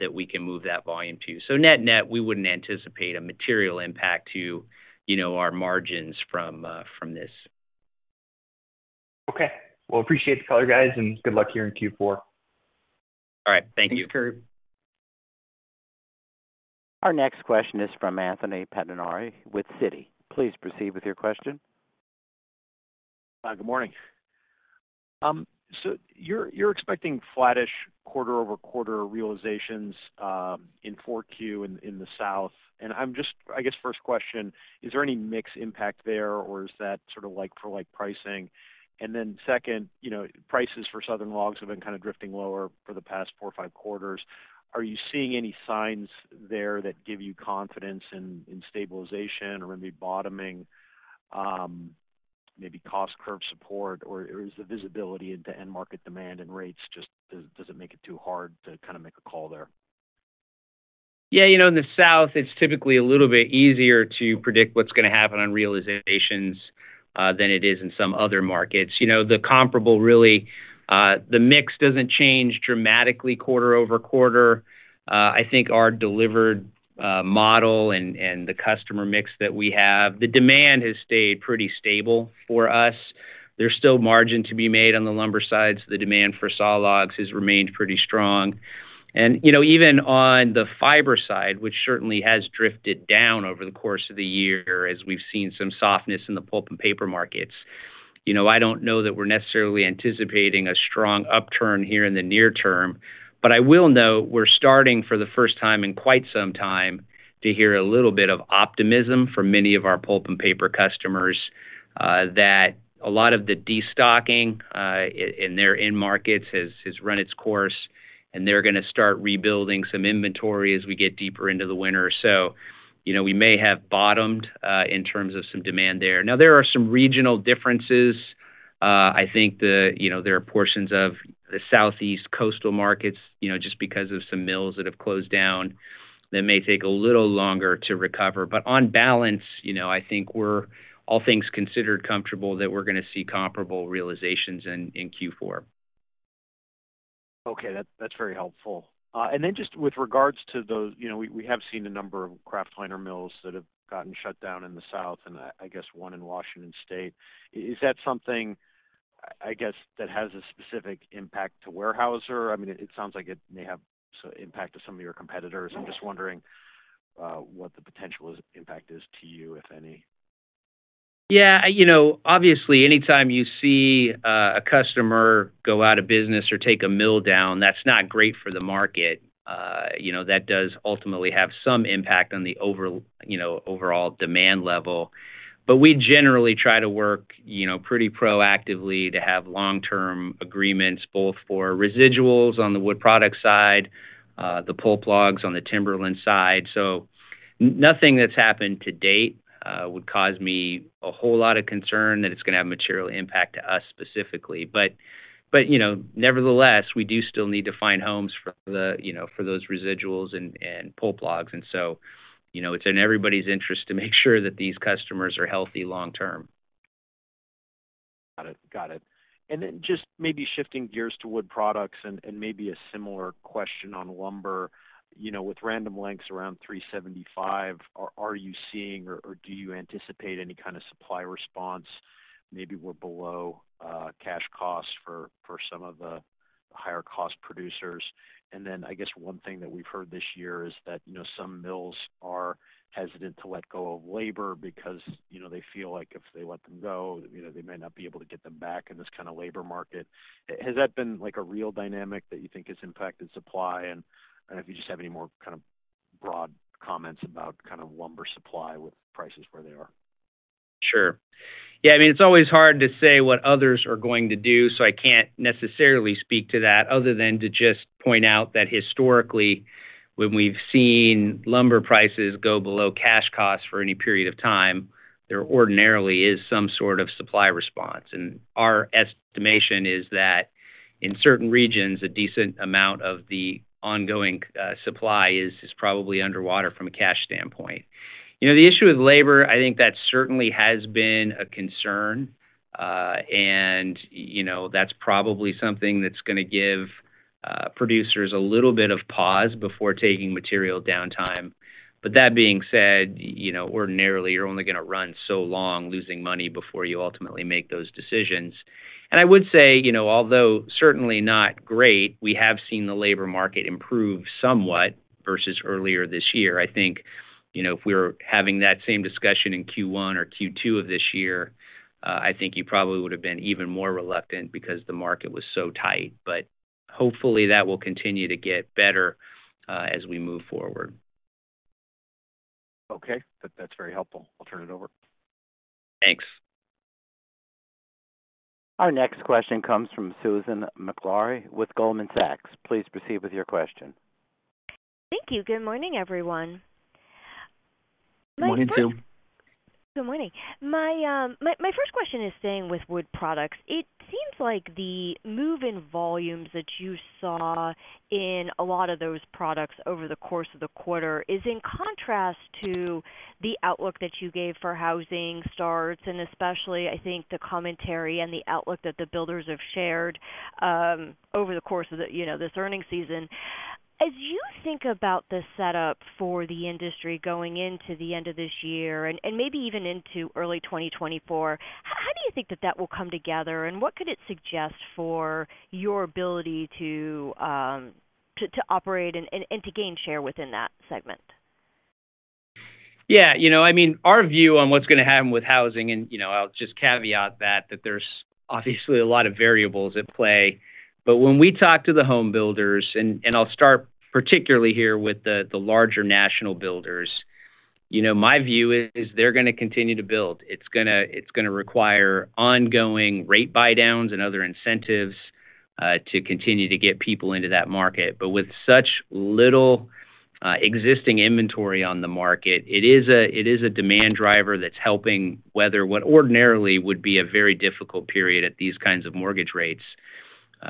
that we can move that volume to. So net-net, we wouldn't anticipate a material impact to, you know, our margins from this. Okay. Well, appreciate the color, guys, and good luck here in Q4. All right. Thank you. Thanks, Kurt. Our next question is from Anthony Pettinari with Citi. Please proceed with your question. Good morning. So you're expecting flattish quarter-over-quarter realizations in 4Q in the South. And I'm just. I guess, first question, is there any mix impact there, or is that sort of like-for-like pricing? And then second, you know, prices for southern logs have been kind of drifting lower for the past four or five quarters. Are you seeing any signs there that give you confidence in stabilization or maybe bottoming, maybe cost curve support, or is the visibility into end market demand and rates just does it make it too hard to kind of make a call there? Yeah, you know, in the South, it's typically a little bit easier to predict what's gonna happen on realizations than it is in some other markets. You know, the comparable, really, the mix doesn't change dramatically quarter-over-quarter. I think our delivered model and the customer mix that we have, the demand has stayed pretty stable for us. There's still margin to be made on the lumber side, so the demand for saw logs has remained pretty strong. You know, even on the fiber side, which certainly has drifted down over the course of the year as we've seen some softness in the pulp and paper markets, you know, I don't know that we're necessarily anticipating a strong upturn here in the near term, but I will note we're starting, for the first time in quite some time, to hear a little bit of optimism from many of our pulp and paper customers that a lot of the destocking in their end markets has run its course, and they're gonna start rebuilding some inventory as we get deeper into the winter. So, you know, we may have bottomed in terms of some demand there. Now, there are some regional differences. I think the, you know, there are portions of the Southeast coastal markets, you know, just because of some mills that have closed down, that may take a little longer to recover. But on balance, you know, I think we're, all things considered, comfortable that we're gonna see comparable realizations in Q4. Okay, that, that's very helpful. And then just with regards to the. You know, we have seen a number of craft liner mills that have gotten shut down in the South and, I guess one in Washington State. Is that something, I guess, that has a specific impact to Weyerhaeuser? I mean, it sounds like it may have some impact to some of your competitors. I'm just wondering, what the potential impact is to you, if any. Yeah, you know, obviously, anytime you see a customer go out of business or take a mill down, that's not great for the market. You know, that does ultimately have some impact on the overall demand level. But we generally try to work, you know, pretty proactively to have long-term agreements, both for residuals on the wood product side, the pulp logs on the timberland side. So nothing that's happened to date would cause me a whole lot of concern that it's gonna have a material impact to us specifically. But, you know, nevertheless, we do still need to find homes for the, you know, for those residuals and pulp logs, and so, you know, it's in everybody's interest to make sure that these customers are healthy long term. Got it. Got it. And then just maybe shifting gears to Wood Products and maybe a similar question on lumber, you know, with random lengths around $375, are you seeing or do you anticipate any kind of supply response? Maybe we're below cash costs for some of the higher cost producers. And then I guess one thing that we've heard this year is that, you know, some mills are hesitant to let go of labor because, you know, they feel like if they let them go, you know, they may not be able to get them back in this kind of labor market. Has that been, like, a real dynamic that you think has impacted supply? And if you just have any more kind of broad comments about kind of lumber supply with prices where they are. Sure. Yeah, I mean, it's always hard to say what others are going to do, so I can't necessarily speak to that other than to just point out that historically, when we've seen lumber prices go below cash costs for any period of time, there ordinarily is some sort of supply response, and our estimation is that in certain regions, a decent amount of the ongoing supply is probably underwater from a cash standpoint. You know, the issue with labor, I think that certainly has been a concern, and, you know, that's probably something that's gonna give producers a little bit of pause before taking material downtime. But that being said, you know, ordinarily, you're only gonna run so long losing money before you ultimately make those decisions. I would say, you know, although certainly not great, we have seen the labor market improve somewhat versus earlier this year. I think, you know, if we were having that same discussion in Q1 or Q2 of this year, I think you probably would have been even more reluctant because the market was so tight. But hopefully that will continue to get better, as we move forward. Okay, that's very helpful. I'll turn it over. Thanks. Our next question comes from Susan Maklari with Goldman Sachs. Please proceed with your question. Thank you. Good morning, everyone. Good morning, Sue. Good morning. My first question is staying with Wood Products. It seems like the move in volumes that you saw in a lot of those products over the course of the quarter is in contrast to the outlook that you gave for housing starts, and especially, I think, the commentary and the outlook that the builders have shared over the course of the, you know, this earnings season. As you think about the setup for the industry going into the end of this year and maybe even into early 2024, how do you think that that will come together, and what could it suggest for your ability to operate and to gain share within that segment? Yeah, you know, I mean, our view on what's gonna happen with housing and, you know, I'll just caveat that there's obviously a lot of variables at play. But when we talk to the home builders, and I'll start particularly here with the larger national builders, you know, my view is they're gonna continue to build. It's gonna require ongoing rate buydowns and other incentives to continue to get people into that market. But with such little existing inventory on the market, it is a demand driver that's helping weather what ordinarily would be a very difficult period at these kinds of mortgage rates.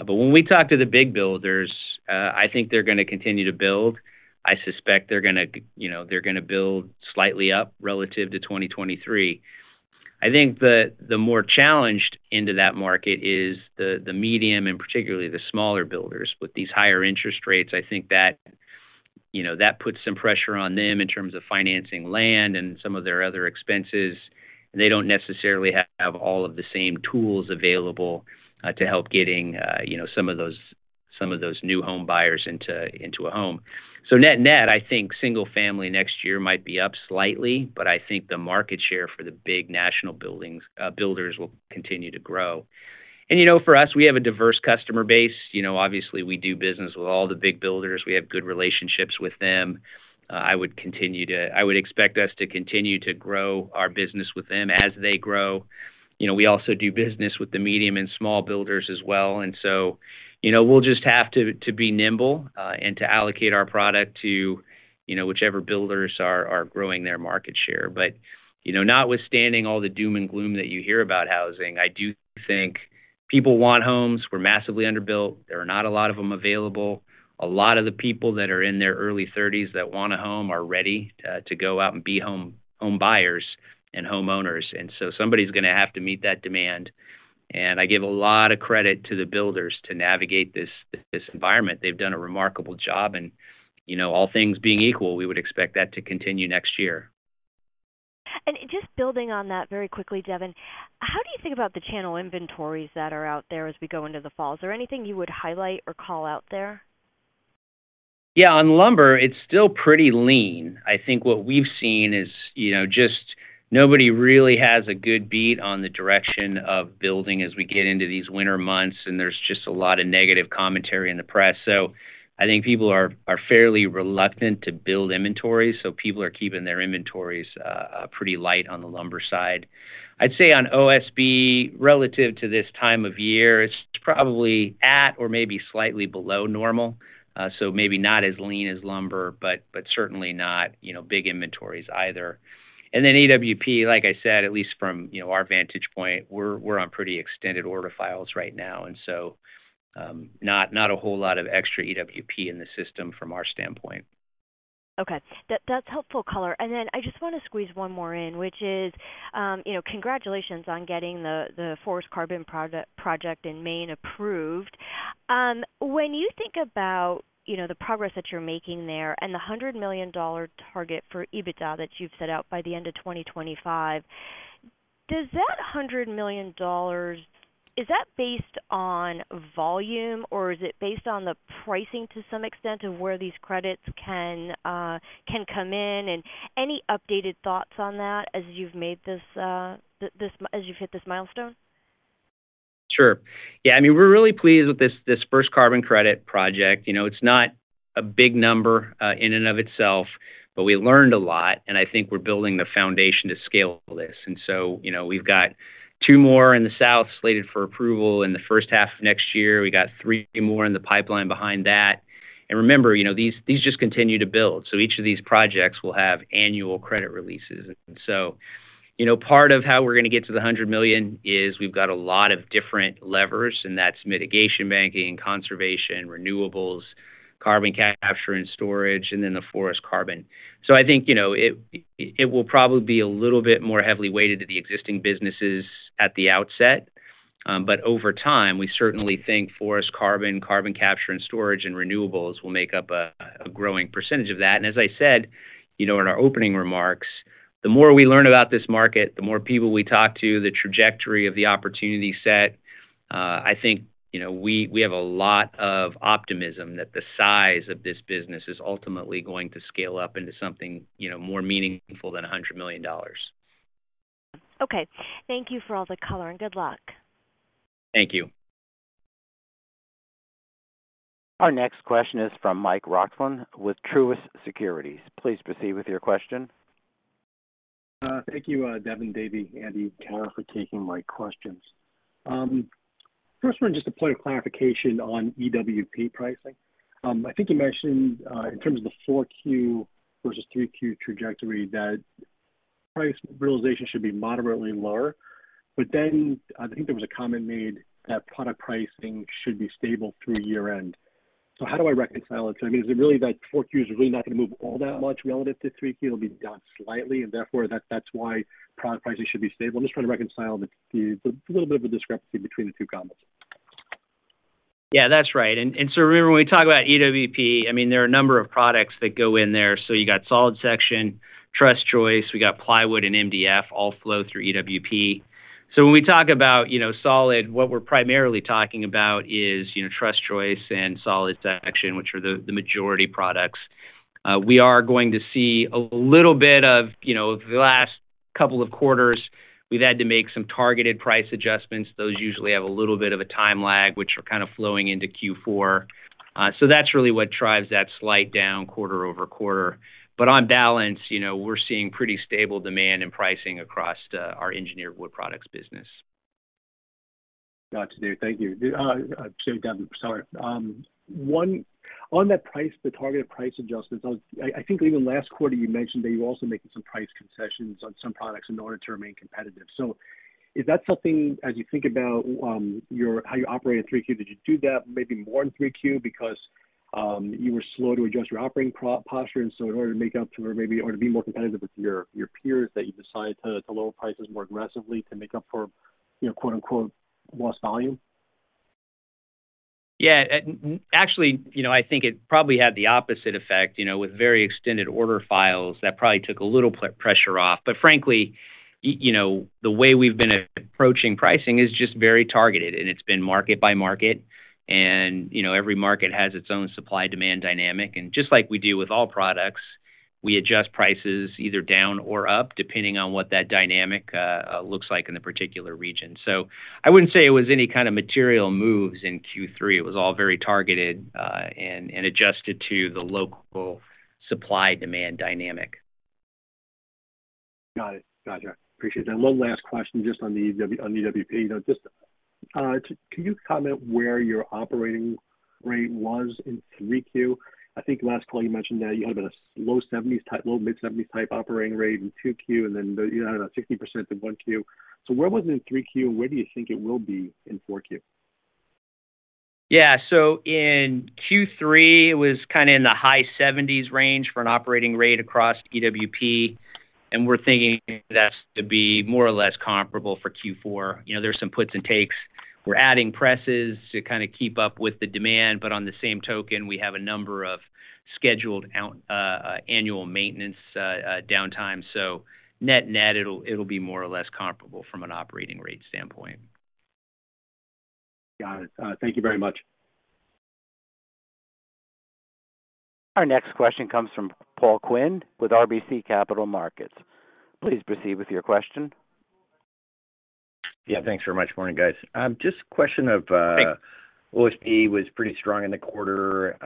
But when we talk to the big builders, I think they're gonna continue to build. I suspect they're gonna, you know, they're gonna build slightly up relative to 2023. I think the more challenged into that market is the medium and particularly the smaller builders. With these higher interest rates, I think that you know, that puts some pressure on them in terms of financing land and some of their other expenses, and they don't necessarily have all of the same tools available to help getting you know, some of those, some of those new home buyers into, into a home. So net-net, I think single family next year might be up slightly, but I think the market share for the big national builders will continue to grow. And, you know, for us, we have a diverse customer base. You know, obviously, we do business with all the big builders. We have good relationships with them. I would expect us to continue to grow our business with them as they grow. You know, we also do business with the medium and small builders as well, and so, you know, we'll just have to be nimble, and to allocate our product to, you know, whichever builders are growing their market share. But, you know, notwithstanding all the doom and gloom that you hear about housing, I do think people want homes. We're massively underbuilt. There are not a lot of them available. A lot of the people that are in their early thirties that want a home are ready to go out and be home, home buyers and homeowners, and so somebody's going to have to meet that demand. I give a lot of credit to the builders to navigate this environment. They've done a remarkable job and, you know, all things being equal, we would expect that to continue next year. Just building on that very quickly, Devin, how do you think about the channel inventories that are out there as we go into the fall? Is there anything you would highlight or call out there? Yeah, on lumber, it's still pretty lean. I think what we've seen is, you know, just nobody really has a good beat on the direction of building as we get into these winter months, and there's just a lot of negative commentary in the press. So I think people are, are fairly reluctant to build inventory, so people are keeping their inventories, pretty light on the lumber side. I'd say on OSB, relative to this time of year, it's probably at or maybe slightly below normal. So maybe not as lean as lumber, but, but certainly not, you know, big inventories either. And then EWP, like I said, at least from, you know, our vantage point, we're, we're on pretty extended order files right now, and so, not, not a whole lot of extra EWP in the system from our standpoint. Okay. That's helpful color. And then I just want to squeeze one more in, which is, you know, congratulations on getting the forest carbon project in Maine approved. When you think about, you know, the progress that you're making there and the $100 million target for EBITDA that you've set out by the end of 2025, does that $100 million, is that based on volume, or is it based on the pricing to some extent, of where these credits can come in? And any updated thoughts on that as you've hit this milestone? Sure. Yeah, I mean, we're really pleased with this, this first carbon credit project. You know, it's not a big number in and of itself, but we learned a lot, and I think we're building the foundation to scale this. And so, you know, we've got two more in the South slated for approval in the first half of next year. We got three more in the pipeline behind that. And remember, you know, these, these just continue to build. So each of these projects will have annual credit releases. And so, you know, part of how we're going to get to the 100 million is we've got a lot of different levers, and that's mitigation banking, conservation, renewables, carbon capture and storage, and then the forest carbon. So I think, you know, it will probably be a little bit more heavily weighted to the existing businesses at the outset, but over time, we certainly think forest carbon, carbon capture and storage and renewables will make up a growing percentage of that. And as I said, you know, in our opening remarks, the more we learn about this market, the more people we talk to, the trajectory of the opportunity set, I think, you know, we have a lot of optimism that the size of this business is ultimately going to scale up into something, you know, more meaningful than $100 million. Okay. Thank you for all the color, and good luck. Thank you. Our next question is from Mike Roxland with Truist Securities. Please proceed with your question. Thank you, Devin, David, Andy, and team for taking my questions. First one, just a point of clarification on EWP pricing. I think you mentioned, in terms of the 4Q versus 3Q trajectory, that price realization should be moderately lower. But then I think there was a comment made that product pricing should be stable through year-end. So how do I reconcile it? I mean, is it really that 4Q is really not going to move all that much relative to 3Q? It'll be down slightly, and therefore, that's why product pricing should be stable. I'm just trying to reconcile the little bit of a discrepancy between the two comments. Yeah, that's right. And so remember, when we talk about EWP, I mean, there are a number of products that go in there. So you got solid section, Trus Joist, we got plywood and MDF, all flow through EWP. So when we talk about, you know, solid, what we're primarily talking about is, you know, Trus Joist and solid section, which are the majority products. We are going to see a little bit. You know, the last couple of quarters, we've had to make some targeted price adjustments. Those usually have a little bit of a time lag, which are kind of flowing into Q4. So that's really what drives that slight down quarter-over-quarter. But on balance, you know, we're seeing pretty stable demand and pricing across our Engineered Wood Products business. Got you there. Thank you. Sorry, Devin, sorry. One, on that price, the targeted price adjustments, I think even last quarter, you mentioned that you're also making some price concessions on some products in order to remain competitive. So is that something, as you think about your-how you operate in 3Q, did you do that maybe more in 3Q because you were slow to adjust your operating posture, and so in order to make up to or maybe, or to be more competitive with your, your peers, that you decided to, to lower prices more aggressively to make up for, you know, quote, unquote, "lost volume? Yeah, actually, you know, I think it probably had the opposite effect, you know, with very extended order files, that probably took a little pressure off. But frankly, you know, the way we've been approaching pricing is just very targeted, and it's been market by market. And, you know, every market has its own supply-demand dynamic, and just like we do with all products, we adjust prices either down or up, depending on what that dynamic looks like in the particular region. So I wouldn't say it was any kind of material moves in Q3. It was all very targeted, and adjusted to the local supply-demand dynamic. Got it. Gotcha. Appreciate that. One last question, just on EWP. You know, just, can you comment where your operating rate was in 3Q? I think last call you mentioned that you had about a low seventies type, low, mid-seventies type operating rate in 2Q, and then you had about 60% in 1Q. So where was it in 3Q, and where do you think it will be in 4Q? Yeah. So in Q3, it was kind of in the high 70s range for an operating rate across EWP, and we're thinking that's to be more or less comparable for Q4. You know, there's some puts and takes. We're adding presses to kind of keep up with the demand, but on the same token, we have a number of scheduled out annual maintenance downtime. So net-net, it'll, it'll be more or less comparable from an operating rate standpoint. Got it. Thank you very much. Our next question comes from Paul Quinn with RBC Capital Markets. Please proceed with your question. Yeah, thanks very much. Morning, guys. Just question of. Thanks. OSB was pretty strong in the quarter,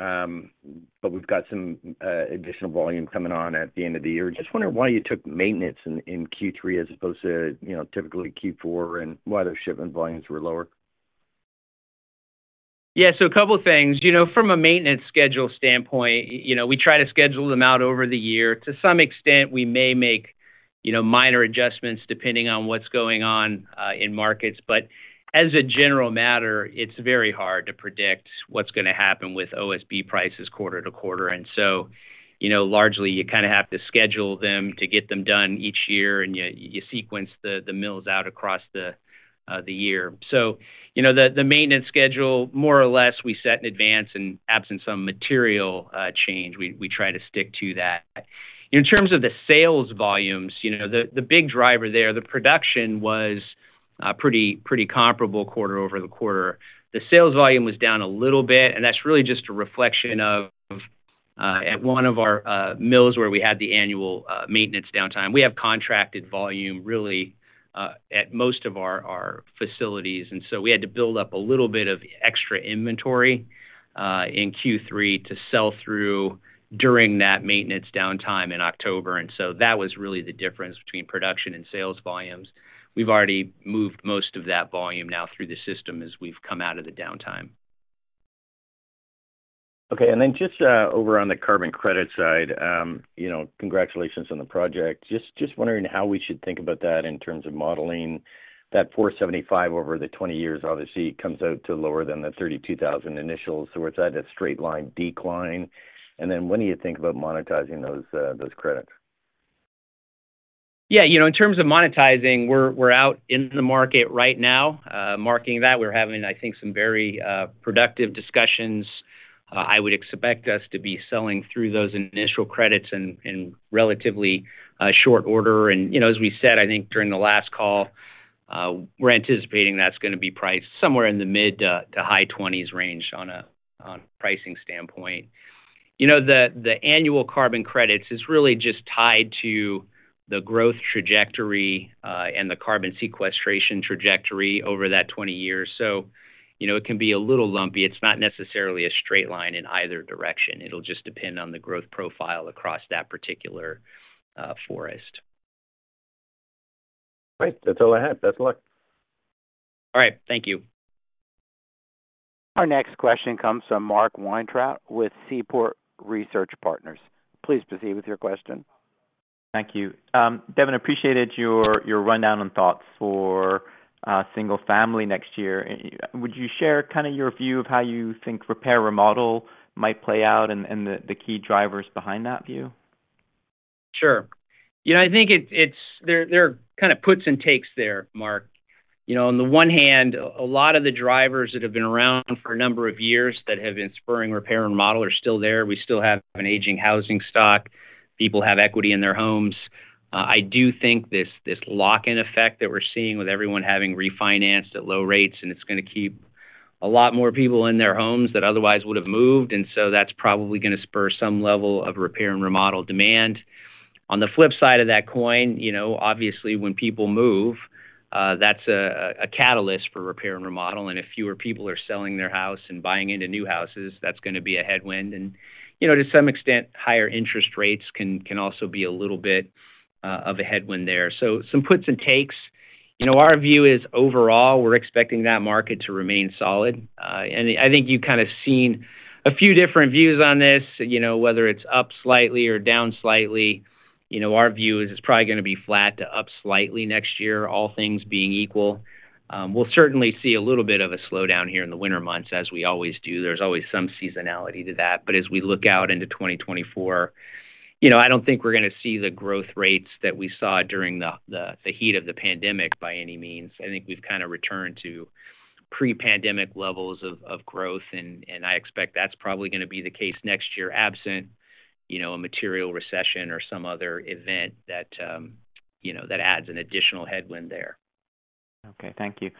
but we've got some additional volume coming on at the end of the year. Just wondering why you took maintenance in Q3 as opposed to, you know, typically Q4, and why those shipment volumes were lower? Yeah, so a couple of things. You know, from a maintenance schedule standpoint, you know, we try to schedule them out over the year. To some extent, we may make, you know, minor adjustments depending on what's going on in markets. But as a general matter, it's very hard to predict what's gonna happen with OSB prices quarter-to-quarter. And so, you know, largely, you kind of have to schedule them to get them done each year, and you sequence the mills out across the year. So, you know, the maintenance schedule, more or less, we set in advance, and absent some material change, we try to stick to that. In terms of the sales volumes, you know, the big driver there, the production was pretty, pretty comparable quarter-over-quarter. The sales volume was down a little bit, and that's really just a reflection of at one of our mills, where we had the annual maintenance downtime. We have contracted volume, really, at most of our facilities, and so we had to build up a little bit of extra inventory in Q3 to sell through during that maintenance downtime in October, and so that was really the difference between production and sales volumes. We've already moved most of that volume now through the system as we've come out of the downtime. Okay. And then just over on the carbon credit side, you know, congratulations on the project. Just wondering how we should think about that in terms of modeling that $475 over the 20 years obviously comes out to lower than the $32,000 initials. So it's at a straight line decline. And then when do you think about monetizing those credits? Yeah, you know, in terms of monetizing, we're, we're out in the market right now, marking that. We're having, I think, some very, productive discussions. I would expect us to be selling through those initial credits in, in relatively, short order. And, you know, as we said, I think during the last call, we're anticipating that's gonna be priced somewhere in the $mid- to high-20s range on a, on pricing standpoint. You know, the, the annual carbon credits is really just tied to the growth trajectory, and the carbon sequestration trajectory over that 20 years. So, you know, it can be a little lumpy. It's not necessarily a straight line in either direction. It'll just depend on the growth profile across that particular, forest. Great. That's all I have. Best of luck. All right. Thank you. Our next question comes from Mark Weintraub with Seaport Research Partners. Please proceed with your question. Thank you. Devin, appreciated your your rundown and thoughts for single family next year. Would you share kind of your view of how you think repair remodel might play out and the key drivers behind that view? Sure. You know, I think it's there are kind of puts and takes there, Mark. You know, on the one hand, a lot of the drivers that have been around for a number of years that have been spurring repair and remodel are still there. We still have an aging housing stock. People have equity in their homes. I do think this lock-in effect that we're seeing with everyone having refinanced at low rates, and it's gonna keep a lot more people in their homes that otherwise would have moved, and so that's probably gonna spur some level of repair and remodel demand. On the flip side of that coin, you know, obviously, when people move, that's a catalyst for repair and remodel, and if fewer people are selling their house and buying into new houses, that's gonna be a headwind. And, you know, to some extent, higher interest rates can also be a little bit of a headwind there. So some puts and takes. You know, our view is overall, we're expecting that market to remain solid. And I think you've kind of seen a few different views on this, you know, whether it's up slightly or down slightly. You know, our view is it's probably gonna be flat to up slightly next year, all things being equal. We'll certainly see a little bit of a slowdown here in the winter months, as we always do. There's always some seasonality to that. But as we look out into 2024. You know, I don't think we're gonna see the growth rates that we saw during the heat of the pandemic by any means. I think we've kind of returned to pre-pandemic levels of growth, and I expect that's probably gonna be the case next year, absent, you know, a material recession or some other event that, you know, that adds an additional headwind there. Okay, thank you.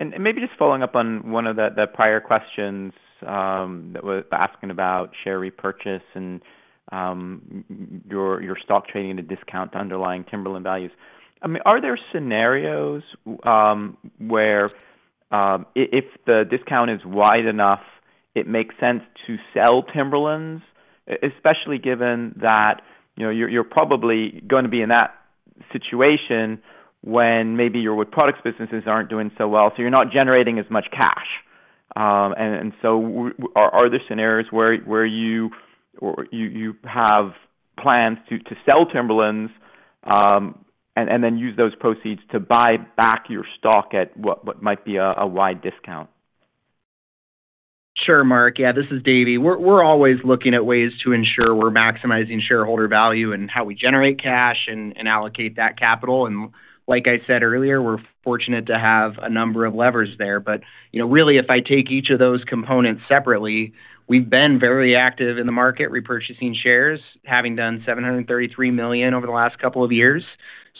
And maybe just following up on one of the prior questions that was asking about share repurchase and your stock trading at a discount to underlying timberland values. I mean, are there scenarios where if the discount is wide enough, it makes sense to sell timberlands, especially given that, you know, you're probably gonna be in that situation when maybe your Wood Products businesses aren't doing so well, so you're not generating as much cash? And so are there scenarios where you have plans to sell timberlands and then use those proceeds to buy back your stock at what might be a wide discount? Sure, Mark. Yeah, this is David. We're always looking at ways to ensure we're maximizing shareholder value and how we generate cash and allocate that capital. And like I said earlier, we're fortunate to have a number of levers there. But you know, really, if I take each of those components separately, we've been very active in the market, repurchasing shares, having done $733 million over the last couple of years.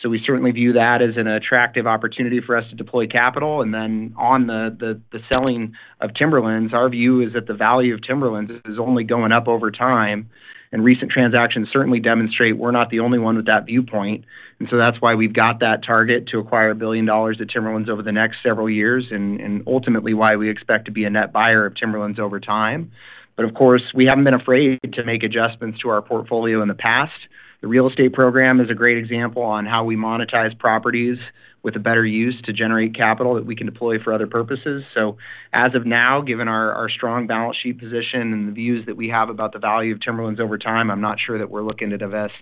So we certainly view that as an attractive opportunity for us to deploy capital. And then on the selling of timberlands, our view is that the value of timberlands is only going up over time, and recent transactions certainly demonstrate we're not the only one with that viewpoint. And so that's why we've got that target to acquire $1 billion of timberlands over the next several years, and ultimately, why we expect to be a net buyer of timberlands over time. But of course, we haven't been afraid to make adjustments to our portfolio in the past. The real estate program is a great example on how we monetize properties with a better use to generate capital that we can deploy for other purposes. So as of now, given our, our strong balance sheet position and the views that we have about the value of timberlands over time, I'm not sure that we're looking to divest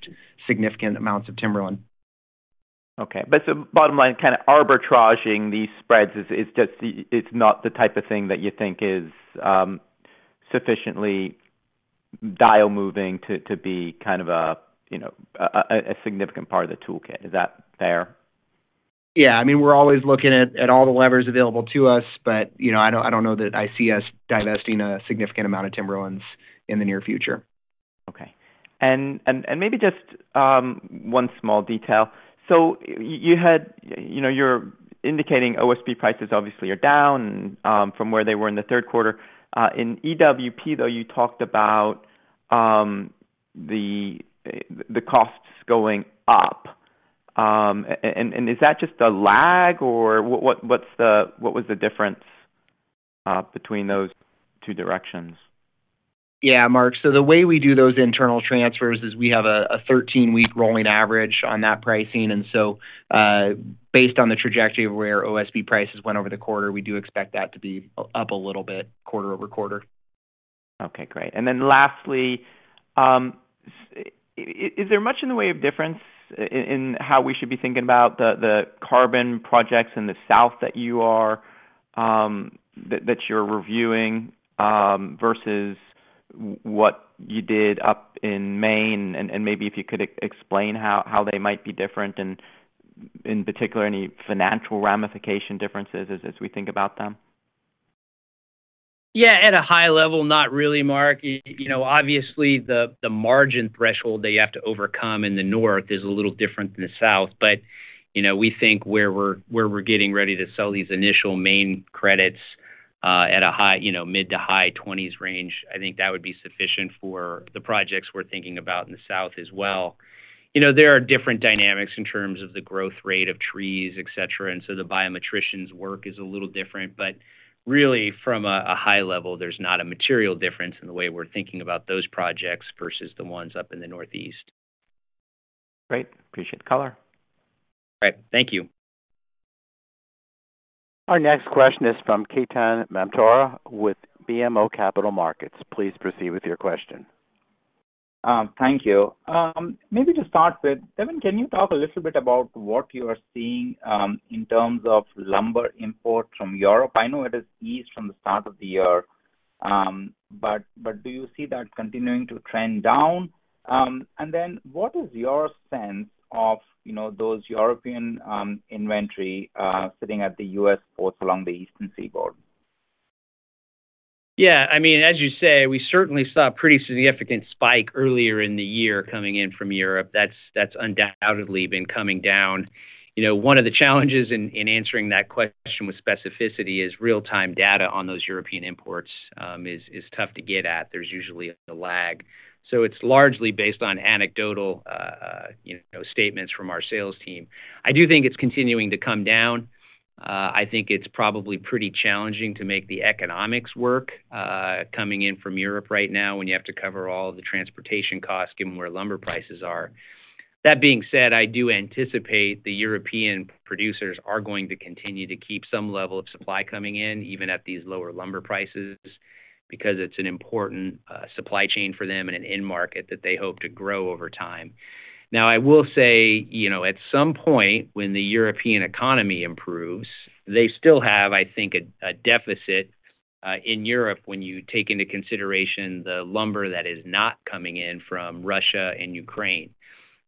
significant amounts of timberland. Okay. But so bottom line, kind of arbitraging these spreads is just the, it's not the type of thing that you think is sufficiently dial moving to be kind of a, you know, a significant part of the toolkit. Is that fair? Yeah. I mean, we're always looking at all the levers available to us, but, you know, I don't know that I see us divesting a significant amount of timberlands in the near future. Okay. Maybe just one small detail. You know, you're indicating OSB prices obviously are down from where they were in the third quarter. In EWP, though, you talked about the costs going up. Is that just a lag, or what? What was the difference between those two directions? Yeah, Mark. So the way we do those internal transfers is we have a 13-week rolling average on that pricing, and so, based on the trajectory of where OSB prices went over the quarter, we do expect that to be up a little bit quarter-over-quarter. Okay, great. And then lastly, is there much in the way of difference in how we should be thinking about the carbon projects in the South that you are reviewing versus what you did up in Maine? And maybe if you could explain how they might be different, and in particular, any financial ramification differences as we think about them? Yeah, at a high level, not really, Mark. You know, obviously, the margin threshold that you have to overcome in the North is a little different than the South. But, you know, we think where we're getting ready to sell these initial Maine credits at a high, you know, mid- to high-$20s range, I think that would be sufficient for the projects we're thinking about in the South as well. You know, there are different dynamics in terms of the growth rate of trees, et cetera, and so the biometrician's work is a little different, but really, from a high level, there's not a material difference in the way we're thinking about those projects versus the ones up in the Northeast. Great. Appreciate the color. All right. Thank you. Our next question is from Ketan Mamtora with BMO Capital Markets. Please proceed with your question. Thank you. Maybe to start with, Devin, can you talk a little bit about what you are seeing in terms of lumber import from Europe? I know it has eased from the start of the year, but do you see that continuing to trend down? And then what is your sense of, you know, those European inventory sitting at the U.S. ports along the Eastern Seaboard? Yeah, I mean, as you say, we certainly saw a pretty significant spike earlier in the year coming in from Europe. That's, that's undoubtedly been coming down. You know, one of the challenges in, in answering that question with specificity is real-time data on those European imports is tough to get at. There's usually a lag. So it's largely based on anecdotal, you know, statements from our sales team. I do think it's continuing to come down. I think it's probably pretty challenging to make the economics work, coming in from Europe right now, when you have to cover all the transportation costs, given where lumber prices are. That being said, I do anticipate the European producers are going to continue to keep some level of supply coming in, even at these lower lumber prices, because it's an important supply chain for them and an end market that they hope to grow over time. Now, I will say, you know, at some point, when the European economy improves, they still have, I think, a deficit in Europe when you take into consideration the lumber that is not coming in from Russia and Ukraine.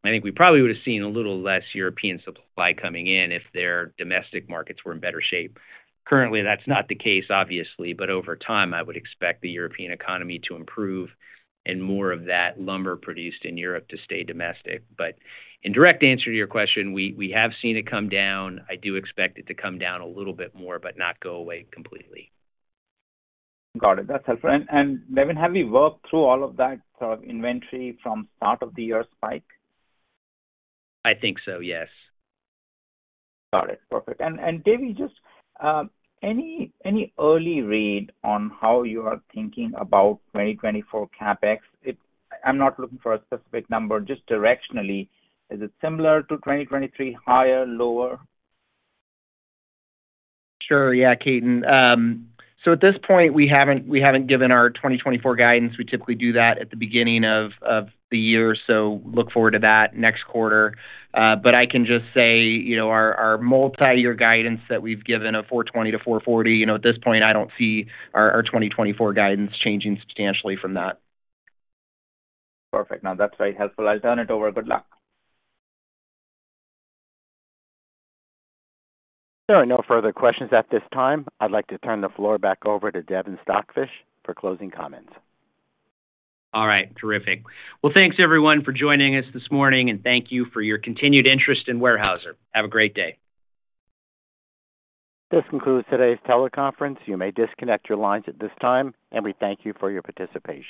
I think we probably would have seen a little less European supply coming in if their domestic markets were in better shape. Currently, that's not the case, obviously, but over time, I would expect the European economy to improve and more of that lumber produced in Europe to stay domestic. But in direct answer to your question, we have seen it come down. I do expect it to come down a little bit more, but not go away completely. Got it. That's helpful. And, Devin, have you worked through all of that inventory from start of the year spike? I think so, yes. Got it. Perfect. And David, just any early read on how you are thinking about 2024 CapEx? I'm not looking for a specific number, just directionally, is it similar to 2023, higher, lower? Sure, yeah, Ketan. At this point, we haven't given our 2024 guidance. We typically do that at the beginning of the year, so look forward to that next quarter. I can just say, you know, our multi-year guidance that we've given of $420-$440, you know, at this point, I don't see our 2024 guidance changing substantially from that. Perfect. Now, that's very helpful. I'll turn it over. Good luck. There are no further questions at this time. I'd like to turn the floor back over to Devin Stockfish for closing comments. All right. Terrific. Well, thanks, everyone, for joining us this morning, and thank you for your continued interest in Weyerhaeuser. Have a great day. This concludes today's teleconference. You may disconnect your lines at this time, and we thank you for your participation.